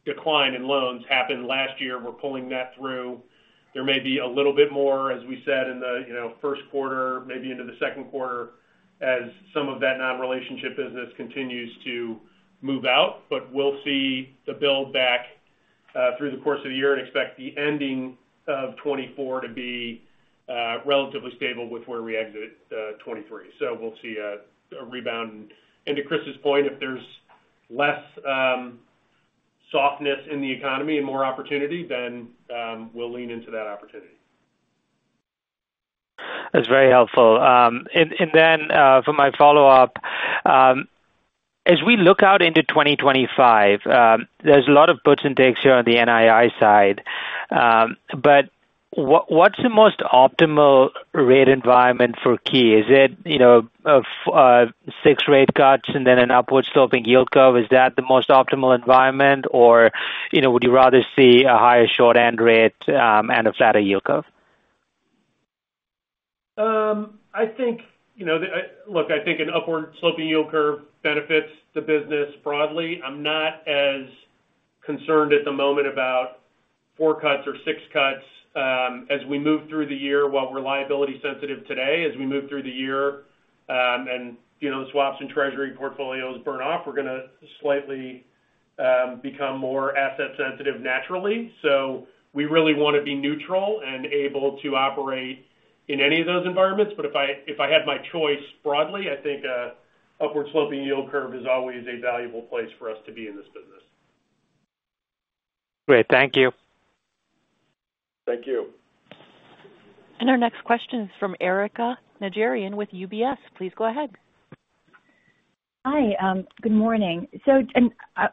decline in loans happened last year. We're pulling that through. There may be a little bit more, as we said, in the, you know, first quarter, maybe into the second quarter, as some of that non-relationship business continues to move out. But we'll see the build back through the course of the year and expect the ending of 2024 to be relatively stable with where we exited 2023. So we'll see a rebound. And to Chris's point, if there's less softness in the economy and more opportunity, then we'll lean into that opportunity. That's very helpful. And then, for my follow-up, as we look out into 2025, there's a lot of puts and takes here on the NII side. But what, what's the most optimal rate environment for Key? Is it, you know, six rate cuts and then an upward sloping yield curve? Is that the most optimal environment, or, you know, would you rather see a higher short-end rate, and a flatter yield curve? I think, you know, Look, I think an upward sloping yield curve benefits the business broadly. I'm not as concerned at the moment about four cuts or six cuts. As we move through the year, while we're liability sensitive today, as we move through the year, and, you know, swaps and Treasury portfolios burn off, we're going to slightly, become more asset sensitive naturally. So we really want to be neutral and able to operate in any of those environments. But if I had my choice broadly, I think a upward sloping yield curve is always a valuable place for us to be in this business. Great. Thank you. Thank you. Our next question is from Erika Najarian with UBS. Please go ahead. Hi, good morning. I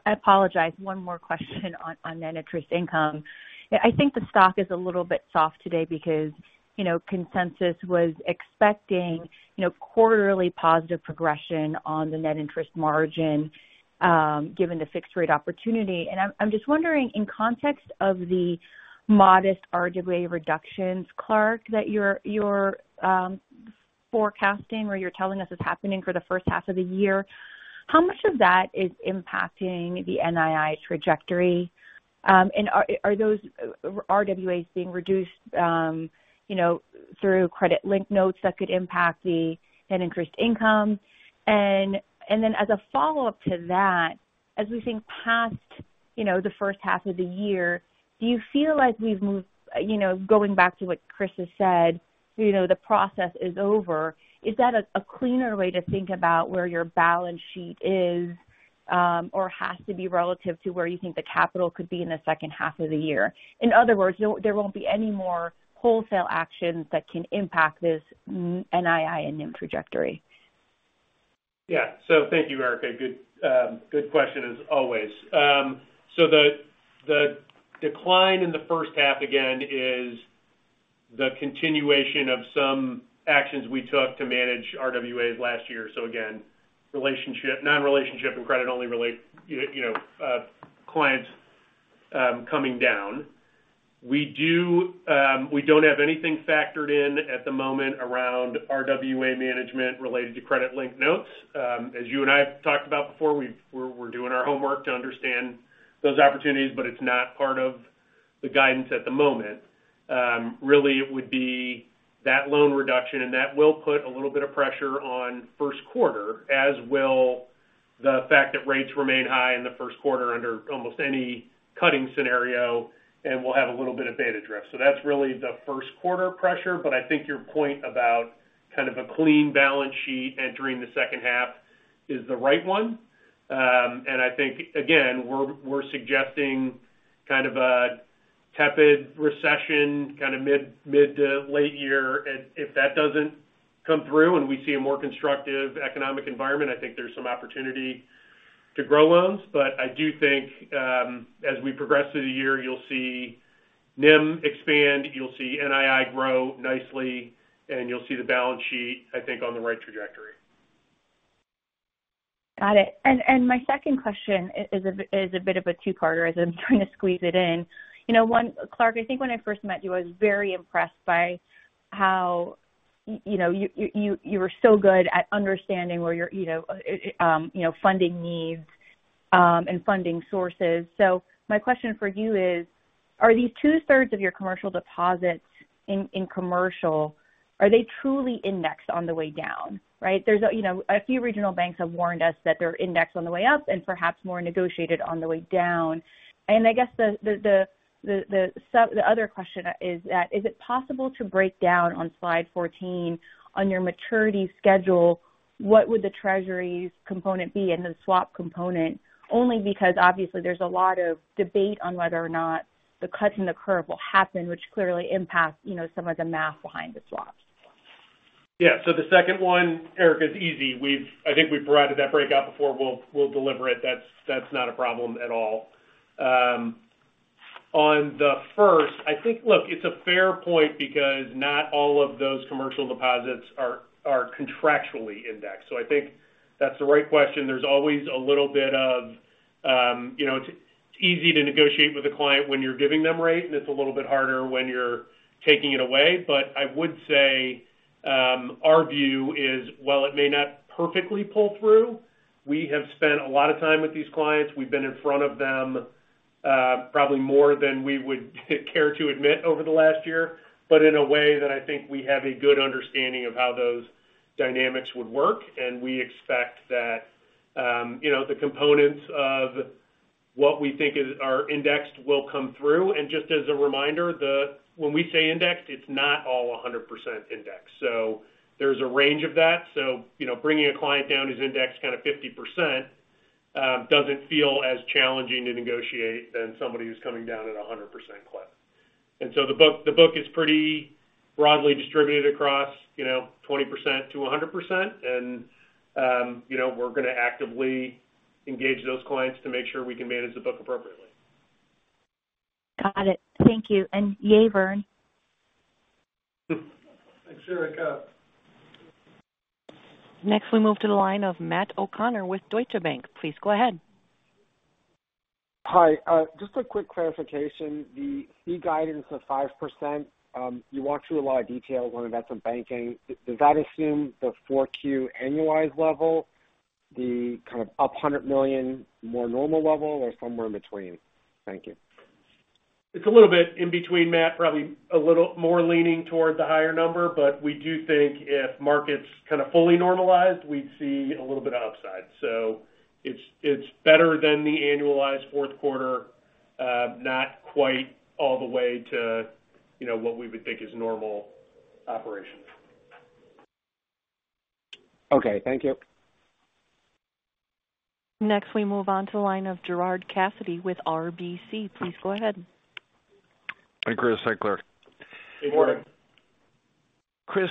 apologize, one more question on net interest income. I think the stock is a little bit soft today because, you know, consensus was expecting, you know, quarterly positive progression on the net interest margin, given the fixed rate opportunity. I'm just wondering, in context of the modest RWA reductions, Clark, that you're forecasting or you're telling us is happening for the first half of the year, how much of that is impacting the NII trajectory? And are those RWAs being reduced, you know, through credit-linked notes that could impact the net interest income? Then as a follow-up to that, as we think past, you know, the first half of the year, do you feel like we've moved, you know, going back to what Chris has said, you know, the process is over. Is that a cleaner way to think about where your balance sheet is, or has to be relative to where you think the capital could be in the second half of the year? In other words, there won't be any more wholesale actions that can impact this NII NIM trajectory. Yeah. So thank you, Erika. Good, good question, as always. So the decline in the first half, again, is the continuation of some actions we took to manage RWAs last year. So again, relationship, non-relationship and credit-only related, you know, clients coming down. We do, we don't have anything factored in at the moment around RWA management related to credit-linked notes. As you and I have talked about before, we're doing our homework to understand those opportunities, but it's not part of the guidance at the moment. Really, it would be that loan reduction, and that will put a little bit of pressure on first quarter, as will the fact that rates remain high in the first quarter under almost any cutting scenario, and we'll have a little bit of beta drift. So that's really the first quarter pressure. But I think your point about kind of a clean balance sheet entering the second half is the right one. And I think, again, we're suggesting kind of a tepid recession, kind of mid to late year. And if that doesn't come through and we see a more constructive economic environment, I think there's some opportunity to grow loans. But I do think, as we progress through the year, you'll see NIM expand, you'll see NII grow nicely, and you'll see the balance sheet, I think, on the right trajectory. Got it. And my second question is a bit of a two-parter, as I'm trying to squeeze it in. You know, one, Clark, I think when I first met you, I was very impressed by how you know, you were so good at understanding where your you know, funding needs and funding sources. So my question for you is, are these two-thirds of your commercial deposits in commercial, are they truly indexed on the way down, right? There's a you know, a few regional banks have warned us that they're indexed on the way up and perhaps more negotiated on the way down. And I guess the other question is that, is it possible to break down on slide 14 on your maturity schedule, what would the Treasuries component be and the swap component? Only because, obviously, there's a lot of debate on whether or not the cutting the curve will happen, which clearly impacts, you know, some of the math behind the swaps. Yeah. So the second one, Erika, is easy. We've I think we've provided that breakout before. We'll, we'll deliver it. That's, that's not a problem at all. On the first, look, it's a fair point because not all of those commercial deposits are, are contractually indexed. So I think that's the right question. There's always a little bit of, you know, it's easy to negotiate with a client when you're giving them rate, and it's a little bit harder when you're taking it away. But I would say, our view is, while it may not perfectly pull through, we have spent a lot of time with these clients. We've been in front of them, probably more than we would care to admit over the last year, but in a way that I think we have a good understanding of how those dynamics would work, and we expect that, you know, the components of what we think is, are indexed will come through. And just as a reminder, the, when we say indexed, it's not all 100% indexed. So there's a range of that. So, you know, bringing a client down who's indexed kind of 50%, doesn't feel as challenging to negotiate than somebody who's coming down at a 100% clip. And so the book, the book is pretty broadly distributed across, you know, 20%-100%. And, you know, we're going to actively engage those clients to make sure we can manage the book appropriately. Got it. Thank you. And yay, Vern. Thanks, Erika. Next, we move to the line of Matt O'Connor with Deutsche Bank. Please go ahead. Hi. Just a quick clarification. The fee guidance of 5%, you walk through a lot of detail on investment banking. Does that assume the 4Q annualized level, the kind of up $100 million more normal level, or somewhere in between? Thank you. It's a little bit in between, Matt, probably a little more leaning towards the higher number, but we do think if markets kind of fully normalized, we'd see a little bit outside. So it's, it's better than the annualized fourth quarter, not quite all the way to, you know, what we would think is normal operation. Okay. Thank you. Next, we move on to the line of Gerard Cassidy with RBC. Please go ahead. Hi, Chris. Hi, Clark. Good morning. Chris,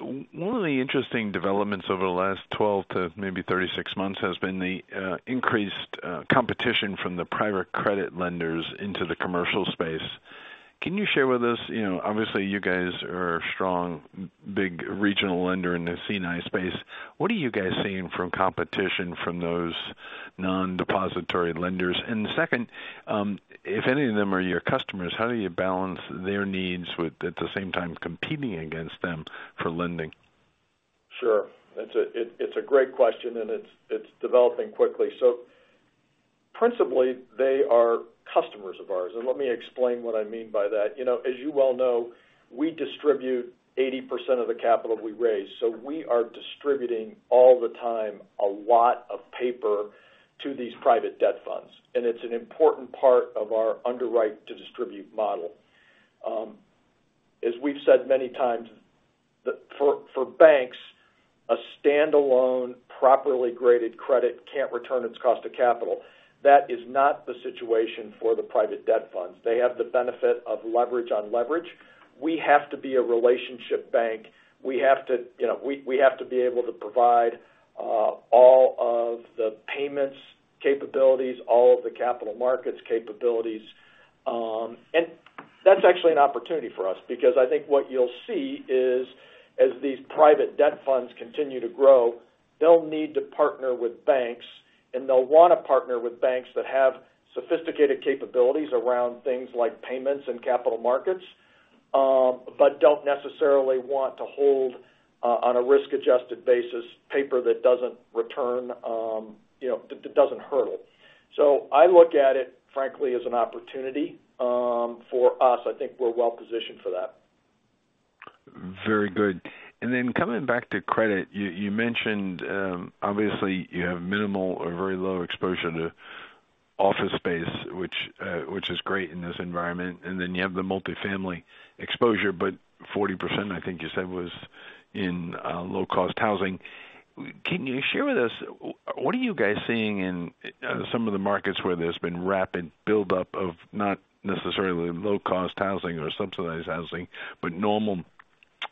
one of the interesting developments over the last 12 to maybe 36 months has been the increased competition from the private credit lenders into the commercial space. Can you share with us, you know, obviously, you guys are a strong, big regional lender in the C&I space. What are you guys seeing from competition from those non-depository lenders? And second, if any of them are your customers, how do you balance their needs with, at the same time, competing against them for lending? Sure. It's a great question, and it's developing quickly. So principally, they are customers of ours, and let me explain what I mean by that. You know, as you well know, we distribute 80% of the capital we raise, so we are distributing all the time a lot of paper to these private debt funds, and it's an important part of our underwrite-to-distribute model. As we've said many times, the, for banks, a standalone, properly graded credit can't return its cost to capital. That is not the situation for the private debt funds. They have the benefit of leverage on leverage. We have to be a relationship bank. We have to, you know, we have to be able to provide all of the payments capabilities, all of the capital markets capabilities, and that's actually an opportunity for us because I think what you'll see is, as these private debt funds continue to grow, they'll need to partner with banks, and they'll want to partner with banks that have sophisticated capabilities around things like payments and capital markets, but don't necessarily want to hold, on a risk-adjusted basis, paper that doesn't return, you know, that, that doesn't hurdle. So I look at it, frankly, as an opportunity, for us. I think we're well positioned for that. Very good. And then coming back to credit, you mentioned, obviously, you have minimal or very low exposure to office space, which is great in this environment, and then you have the multifamily exposure, but 40%, I think you said, was in low-cost housing. Can you share with us, what are you guys seeing in some of the markets where there's been rapid buildup of not necessarily low-cost housing or subsidized housing, but normal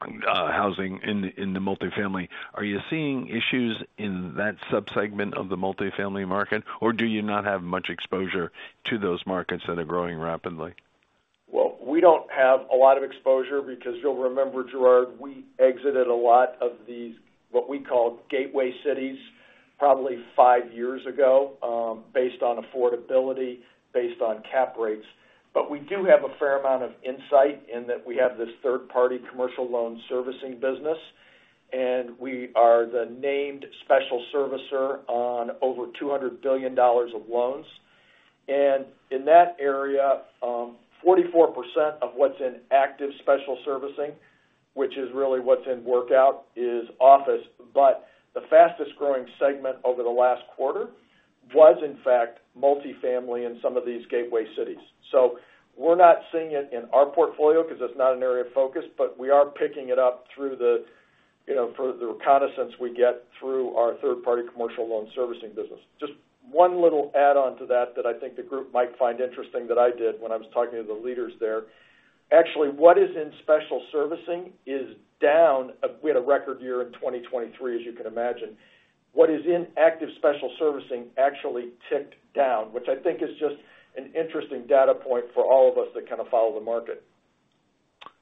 housing in the multifamily? Are you seeing issues in that subsegment of the multifamily market, or do you not have much exposure to those markets that are growing rapidly? Well, we don't have a lot of exposure because you'll remember, Gerard, we exited a lot of these, what we call gateway cities, probably five years ago, based on affordability, based on cap rates. But we do have a fair amount of insight in that we have this third-party commercial loan servicing business, and we are the named special servicer on over $200 billion of loans. And in that area, 44% of what's in active special servicing, which is really what's in workout, is office. But the fastest growing segment over the last quarter was, in fact, multifamily in some of these gateway cities. So we're not seeing it in our portfolio because it's not an area of focus, but we are picking it up through the, you know, for the reconnaissance we get through our third-party commercial loan servicing business. Just one little add-on to that, that I think the group might find interesting that I did when I was talking to the leaders there. Actually, what is in special servicing is down. We had a record year in 2023, as you can imagine. What is in active special servicing actually ticked down, which I think is just an interesting data point for all of us that kind of follow the market.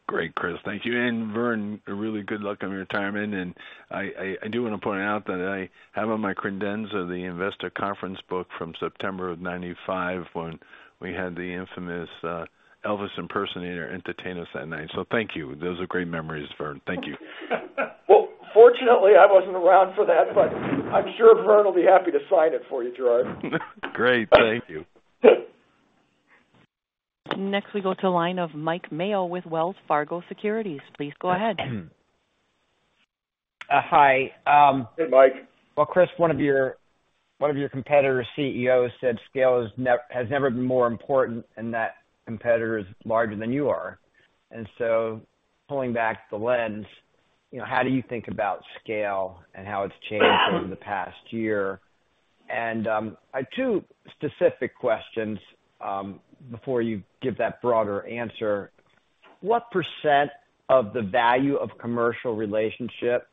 Great, Chris. Thank you. And, Vern, a really good luck on your retirement, and I do want to point out that I have on my credenza the investor conference book from September of 1995, when we had the infamous Elvis impersonator entertain us that night. So thank you. Those are great memories, Vern. Thank you. Well, fortunately, I wasn't around for that, but I'm sure Vern will be happy to sign it for you, Gerard. Great. Thank you. Next, we go to the line of Mike Mayo with Wells Fargo Securities. Please go ahead. Hi. Hey, Mike. Well, Chris, one of your competitors' CEO said scale has never been more important, and that competitor is larger than you are. And so pulling back the lens, you know, how do you think about scale and how it's changed over the past year? And two specific questions before you give that broader answer. What % of the value of commercial relationship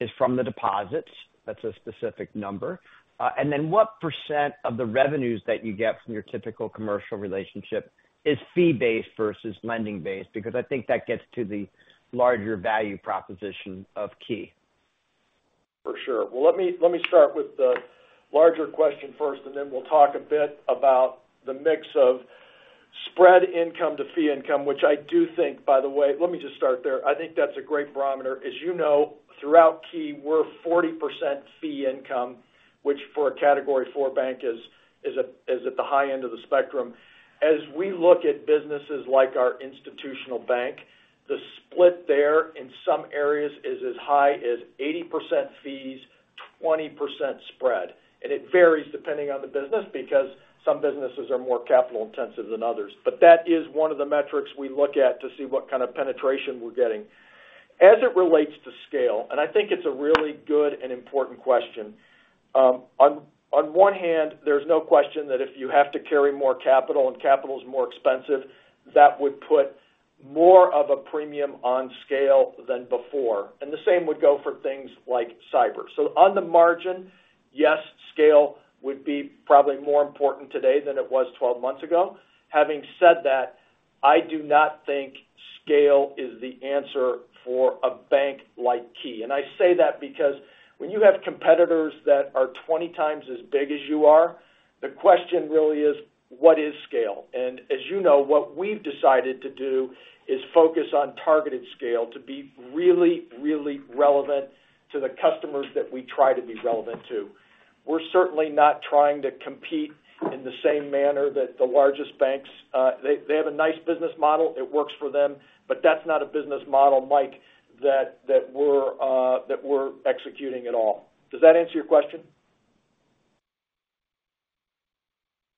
is from the deposits? That's a specific number. And then what % of the revenues that you get from your typical commercial relationship is fee-based versus lending-based? Because I think that gets to the larger value proposition of Key. For sure. Well, let me start with the larger question first, and then we'll talk a bit about the mix of spread income to fee income, which I do think, by the way let me just start there. I think that's a great barometer. As you know, throughout Key, we're 40% fee income, which for a Category IV Bank is at the high end of the spectrum. As we look at businesses like our institutional bank, the split there in some areas is as high as 80% fees, 20% spread. And it varies depending on the business because some businesses are more capital intensive than others. But that is one of the metrics we look at to see what kind of penetration we're getting. As it relates to scale, and I think it's a really good and important question, on one hand, there's no question that if you have to carry more capital, and capital is more expensive, that would put more of a premium on scale than before, and the same would go for things like cyber. So on the margin, yes, scale would be probably more important today than it was 12 months ago. Having said that, I do not think scale is the answer for a bank like Key. I say that because when you have competitors that are 20 times as big as you are, the question really is, what is scale? As you know, what we've decided to do is focus on targeted scale to be really, really relevant to the customers that we try to be relevant to. We're certainly not trying to compete in the same manner that the largest banks. They have a nice business model. It works for them, but that's not a business model, Mike, that we're executing at all. Does that answer your question?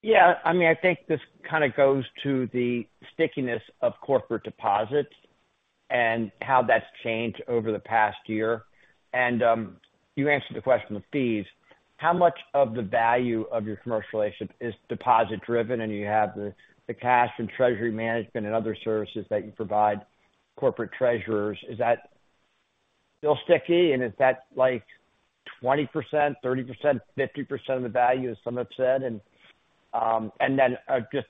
Yeah. I mean, I think this kind of goes to the stickiness of corporate deposits and how that's changed over the past year. And you answered the question with fees. How much of the value of your commercial relationship is deposit-driven, and you have the, the cash and Treasury management and other services that you provide corporate Treasurers? Is that still sticky, and is that like 20%, 30%, 50% of the value, as some have said? And then just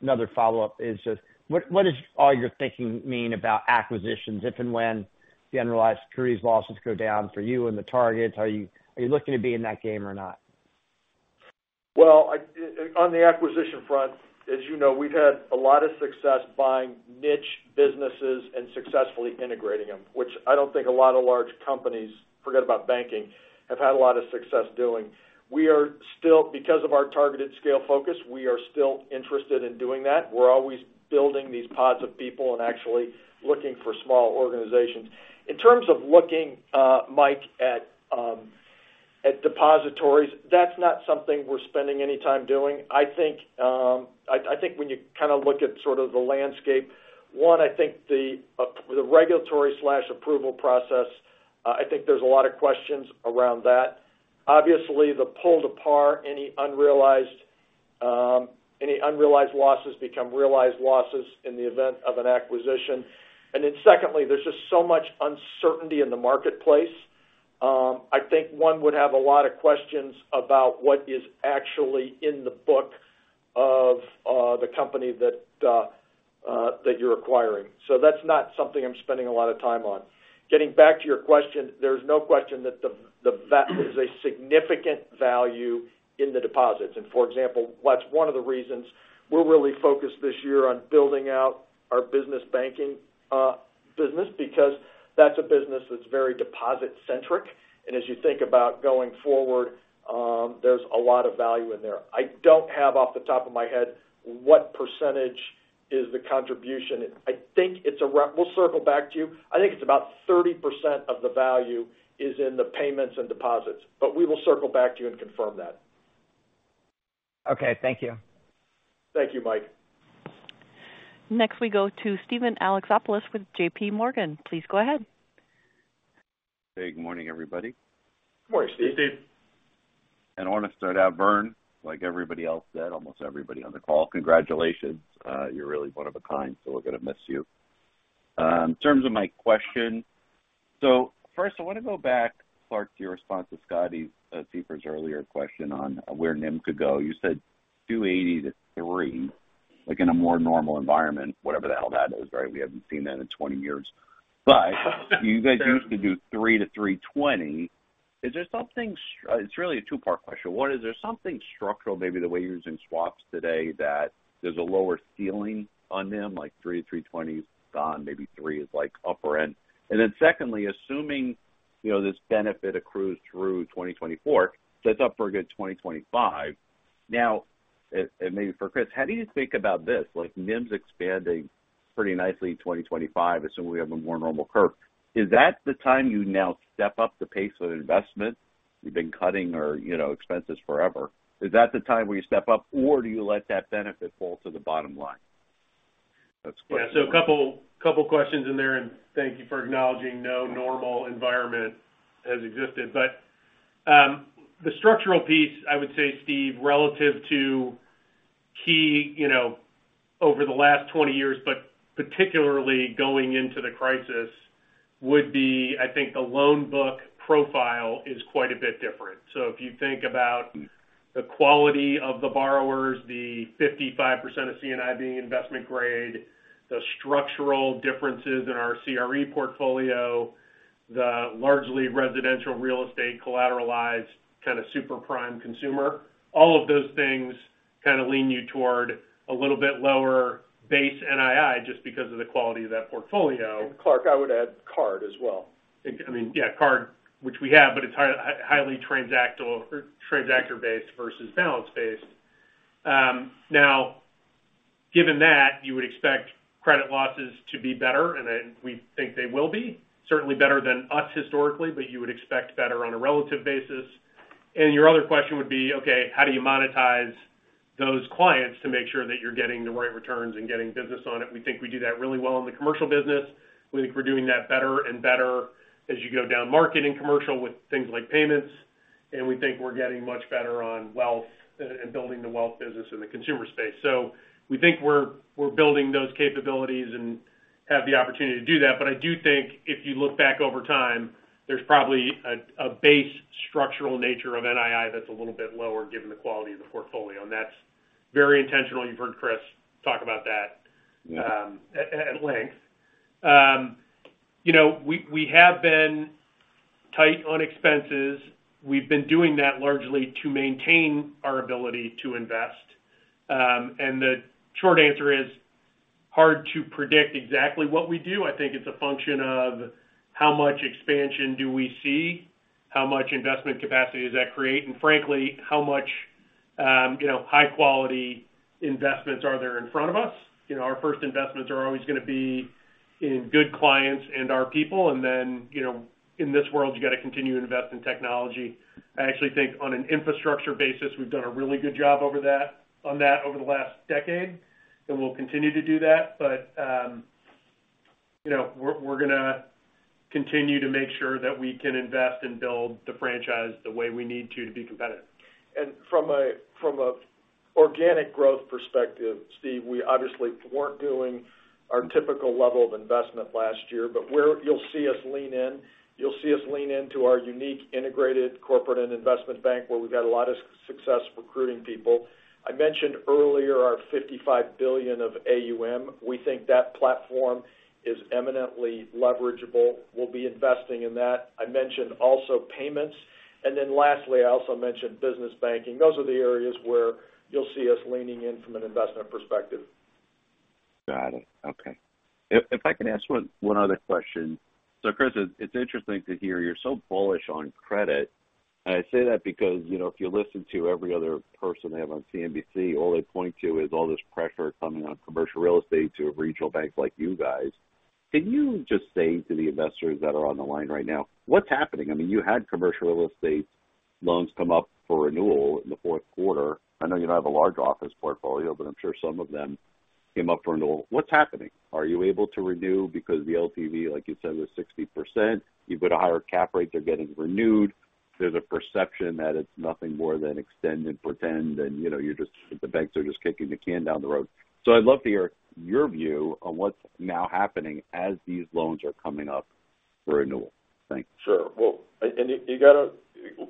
another follow-up is just what is all your thinking mean about acquisitions, if and when generalized credit losses go down for you and the targets, are you looking to be in that game or not? Well, I on the acquisition front, as you know, we've had a lot of success buying niche businesses and successfully integrating them, which I don't think a lot of large companies, forget about banking, have had a lot of success doing. We are still, because of our targeted scale focus, we are still interested in doing that. We're always building these pods of people and actually looking for small organizations. In terms of looking, Mike, at depositories, that's not something we're spending any time doing. I think, I think when you kind of look at sort of the landscape, one, I think the regulatory/approval process, I think there's a lot of questions around that. Obviously, the pull to par, any unrealized, any unrealized losses become realized losses in the event of an acquisition. And then secondly, there's just so much uncertainty in the marketplace. I think one would have a lot of questions about what is actually in the book of the company that you're acquiring. So that's not something I'm spending a lot of time on. Getting back to your question, there's no question that there's a significant value in the deposits. And for example, that's one of the reasons we're really focused this year on building out our business banking business, because that's a business that's very deposit-centric. And as you think about going forward, there's a lot of value in there. I don't have off the top of my head, what percentage is the contribution? We'll circle back to you. I think it's about 30% of the value is in the payments and deposits, but we will circle back to you and confirm that. Okay, thank you. Thank you, Mike. Next, we go to Steven Alexopoulos with JP Morgan. Please go ahead. Hey, good morning, everybody. Good morning, Steve. I want to start out, Vern, like everybody else said, almost everybody on the call. Congratulations, you're really one of a kind, so we're going to miss you. In terms of my question, so first, I want to go back, Clark, to your response to Scott Siefers's earlier question on where NIM could go. You said 2.80%-3%, like in a more normal environment, whatever the hell that is, right? We haven't seen that in 20 years. But you guys used to do 3%-3.20%. Is there something? It's really a two-part question. One, is there something structural, maybe the way you're using swaps today, that there's a lower ceiling on NIM, like 3%-3.20% is gone, maybe 3% is like upper end. And then secondly, assuming, you know, this benefit accrues through 2024, so it's up for a good 2025. Now, maybe for Chris, how do you think about this? Like, NIM's expanding pretty nicely in 2025, assuming we have a more normal curve. Is that the time you now step up the pace of investment? You've been cutting or, you know, expenses forever. Is that the time where you step up, or do you let that benefit fall to the bottom line? That's the question. Yeah, so a couple questions in there, and thank you for acknowledging no normal environment has existed. But, the structural piece, I would say, Steve, relative to Key, you know, over the last 20 years, but particularly going into the crisis, would be, I think the loan book profile is quite a bit different. So if you think about the quality of the borrowers, the 55% of C&I being investment grade, the structural differences in our CRE portfolio, the largely residential real estate collateralized kind of super prime consumer, all of those things kind of lean you toward a little bit lower base NII just because of the quality of that portfolio. Clark, I would add card as well. I mean, yeah, card, which we have, but it's highly transactional or transactor-based versus balance-based. Now, given that, you would expect credit losses to be better, and then we think they will be. Certainly better than us historically, but you would expect better on a relative basis. And your other question would be, okay, how do you monetize those clients to make sure that you're getting the right returns and getting business on it? We think we do that really well in the commercial business. We think we're doing that better and better as you go down market and commercial with things like payments. And we think we're getting much better on wealth and building the wealth business in the consumer space. So we think we're building those capabilities and have the opportunity to do that. But I do think if you look back over time, there's probably a base structural nature of NII that's a little bit lower given the quality of the portfolio, and that's very intentional. You've heard Chris talk about that, at length. You know, we have been tight on expenses. We've been doing that largely to maintain our ability to invest. And the short answer is, hard to predict exactly what we do. I think it's a function of how much expansion do we see, how much investment capacity does that create, and frankly, how much, you know, high quality investments are there in front of us? You know, our first investments are always going to be in good clients and our people. And then, you know, in this world, you got to continue to invest in technology. I actually think on an infrastructure basis, we've done a really good job over the last decade, and we'll continue to do that. But, you know, we're going to continue to make sure that we can invest and build the franchise the way we need to, to be competitive. From an organic growth perspective, Steve, we obviously weren't doing our typical level of investment last year, but where you'll see us lean in, you'll see us lean into our unique integrated corporate and investment bank, where we've had a lot of success recruiting people. I mentioned earlier our $55 billion of AUM. We think that platform is eminently leverageable. We'll be investing in that. I mentioned also payments, and then lastly, I also mentioned business banking. Those are the areas where you'll see us leaning in from an investment perspective. Got it. Okay. If I can ask one other question. So, Chris, it's interesting to hear you're so bullish on credit. And I say that because, you know, if you listen to every other person they have on CNBC, all they point to is all this pressure coming on commercial real estate to regional banks like you guys. Can you just say to the investors that are on the line right now, what's happening? I mean, you had commercial real estate loans come up for renewal in the fourth quarter. I know you don't have a large office portfolio, but I'm sure some of them came up for renewal. What's happening? Are you able to renew because the LTV, like you said, was 60%. You've got a higher cap rate. They're getting renewed. There's a perception that it's nothing more than extend and pretend, and, you know, you're just the banks are just kicking the can down the road. So I'd love to hear your view on what's now happening as these loans are coming up for renewal. Thanks. Sure. Well, and you, you got to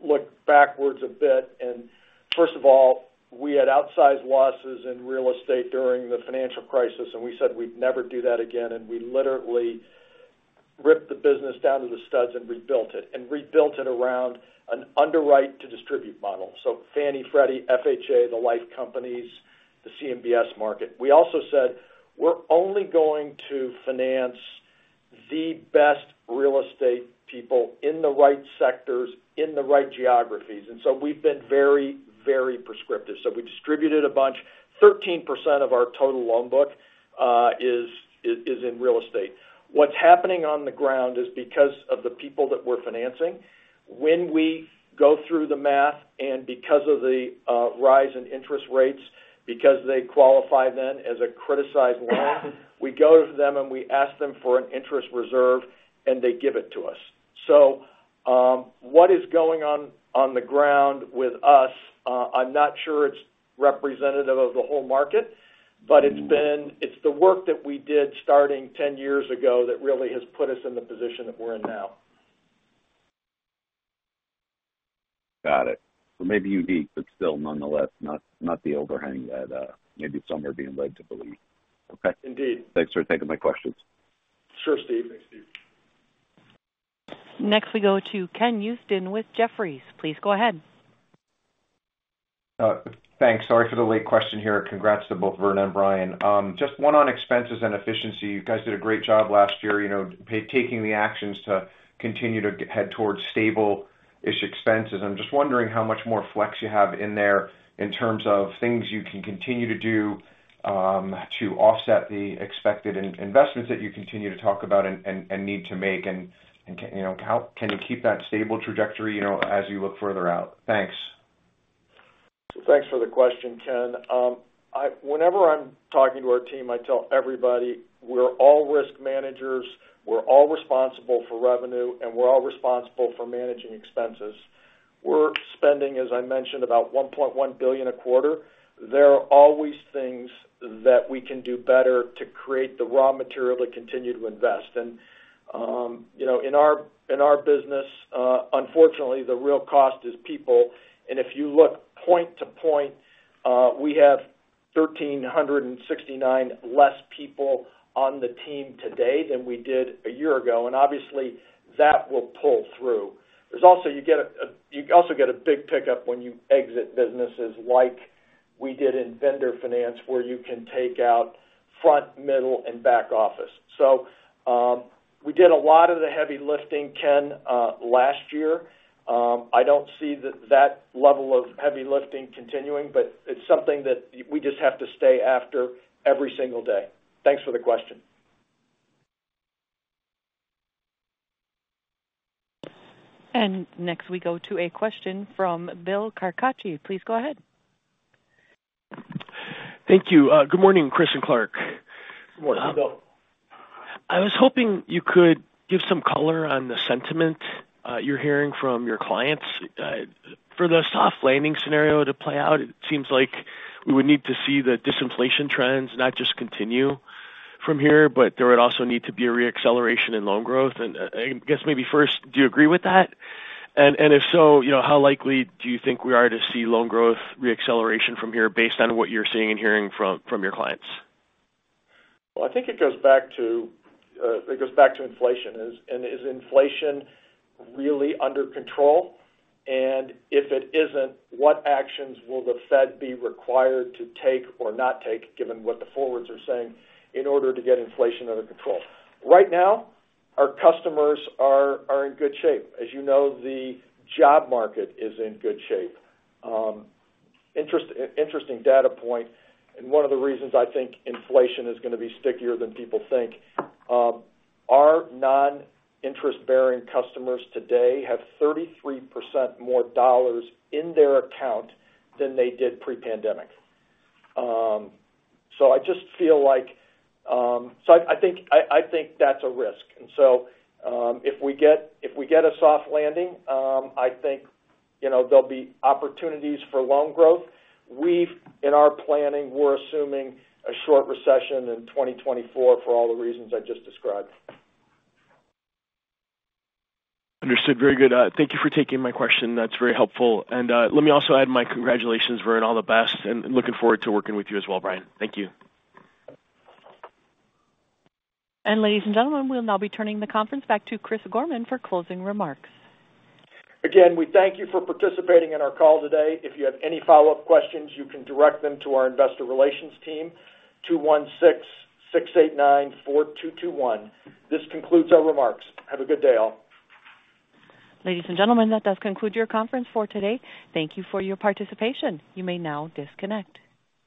look backwards a bit. And first of all, we had outsized losses in real estate during the financial crisis, and we said we'd never do that again, and we literally ripped the business down to the studs and rebuilt it, and rebuilt it around an underwrite-to-distribute model. So Fannie, Freddie, FHA, the life companies, the CMBS market. We also said we're only going to finance the best real estate people in the right sectors, in the right geographies, and so we've been very, very prescriptive. So we distributed a bunch. 13% of our total loan book is in real estate. What's happening on the ground is because of the people that we're financing, when we go through the math and because of the rise in interest rates, because they qualify then as a criticized loan, we go to them, and we ask them for an interest reserve, and they give it to us. So, what is going on, on the ground with us, I'm not sure it's representative of the whole market, but it's the work that we did starting 10 years ago that really has put us in the position that we're in now. Got it. So maybe unique, but still nonetheless, not the overhang that, maybe some are being led to believe. Okay. Indeed. Thanks for taking my questions. Sure, Steve. Thanks, Steve. Next, we go to Ken Usdin with Jefferies. Please go ahead. Thanks. Sorry for the late question here. Congrats to both Vern and Brian. Just one on expenses and efficiency. You guys did a great job last year, you know, taking the actions to continue to head towards stable-ish expenses. I'm just wondering how much more flex you have in there in terms of things you can continue to do, to offset the expected investments that you continue to talk about and need to make. And, you know, how can you keep that stable trajectory, you know, as you look further out? Thanks. Thanks for the question, Ken. Whenever I'm talking to our team, I tell everybody we're all risk managers, we're all responsible for revenue, and we're all responsible for managing expenses. We're spending, as I mentioned, about $1.1 billion a quarter. There are always things that we can do better to create the raw material to continue to invest. And, you know, in our business, unfortunately, the real cost is people. And if you look point to point, we have 1,369 less people on the team today than we did a year ago. And obviously, that will pull through. There's also you also get a big pickup when you exit businesses like we did in vendor finance, where you can take out front, middle, and back office. So, we did a lot of the heavy lifting, Ken, last year. I don't see that level of heavy lifting continuing, but it's something that we just have to stay after every single day. Thanks for the question. Next, we go to a question from Bill Carcache. Please go ahead. Thank you. Good morning, Chris and Clark. Good morning, Bill. I was hoping you could give some color on the sentiment you're hearing from your clients. For the soft landing scenario to play out, it seems like we would need to see the disinflation trends not just continue from here, but there would also need to be a reacceleration in loan growth. And I guess maybe first, do you agree with that? And if so, you know, how likely do you think we are to see loan growth reacceleration from here based on what you're seeing and hearing from your clients? Well, I think it goes back to inflation. And is inflation really under control? And if it isn't, what actions will the Fed be required to take or not take, given what the forwards are saying, in order to get inflation under control? Right now, our customers are, are in good shape. As you know, the job market is in good shape. Interesting data point, and one of the reasons I think inflation is going to be stickier than people think, our non-interest-bearing customers today have 33% more dollars in their account than they did pre-pandemic. So I think that's a risk. And so, if we get, if we get a soft landing, I think, you know, there'll be opportunities for loan growth. We've, in our planning, we're assuming a short recession in 2024 for all the reasons I just described. Understood. Very good. Thank you for taking my question. That's very helpful. And, let me also add my congratulations, Vern, all the best, and looking forward to working with you as well, Brian. Thank you. Ladies and gentlemen, we'll now be turning the conference back to Chris Gorman for closing remarks. Again, we thank you for participating in our call today. If you have any follow-up questions, you can direct them to our investor relations team, 216-689-4221. This concludes our remarks. Have a good day, all. Ladies and gentlemen, that does conclude your conference for today. Thank you for your participation. You may now disconnect.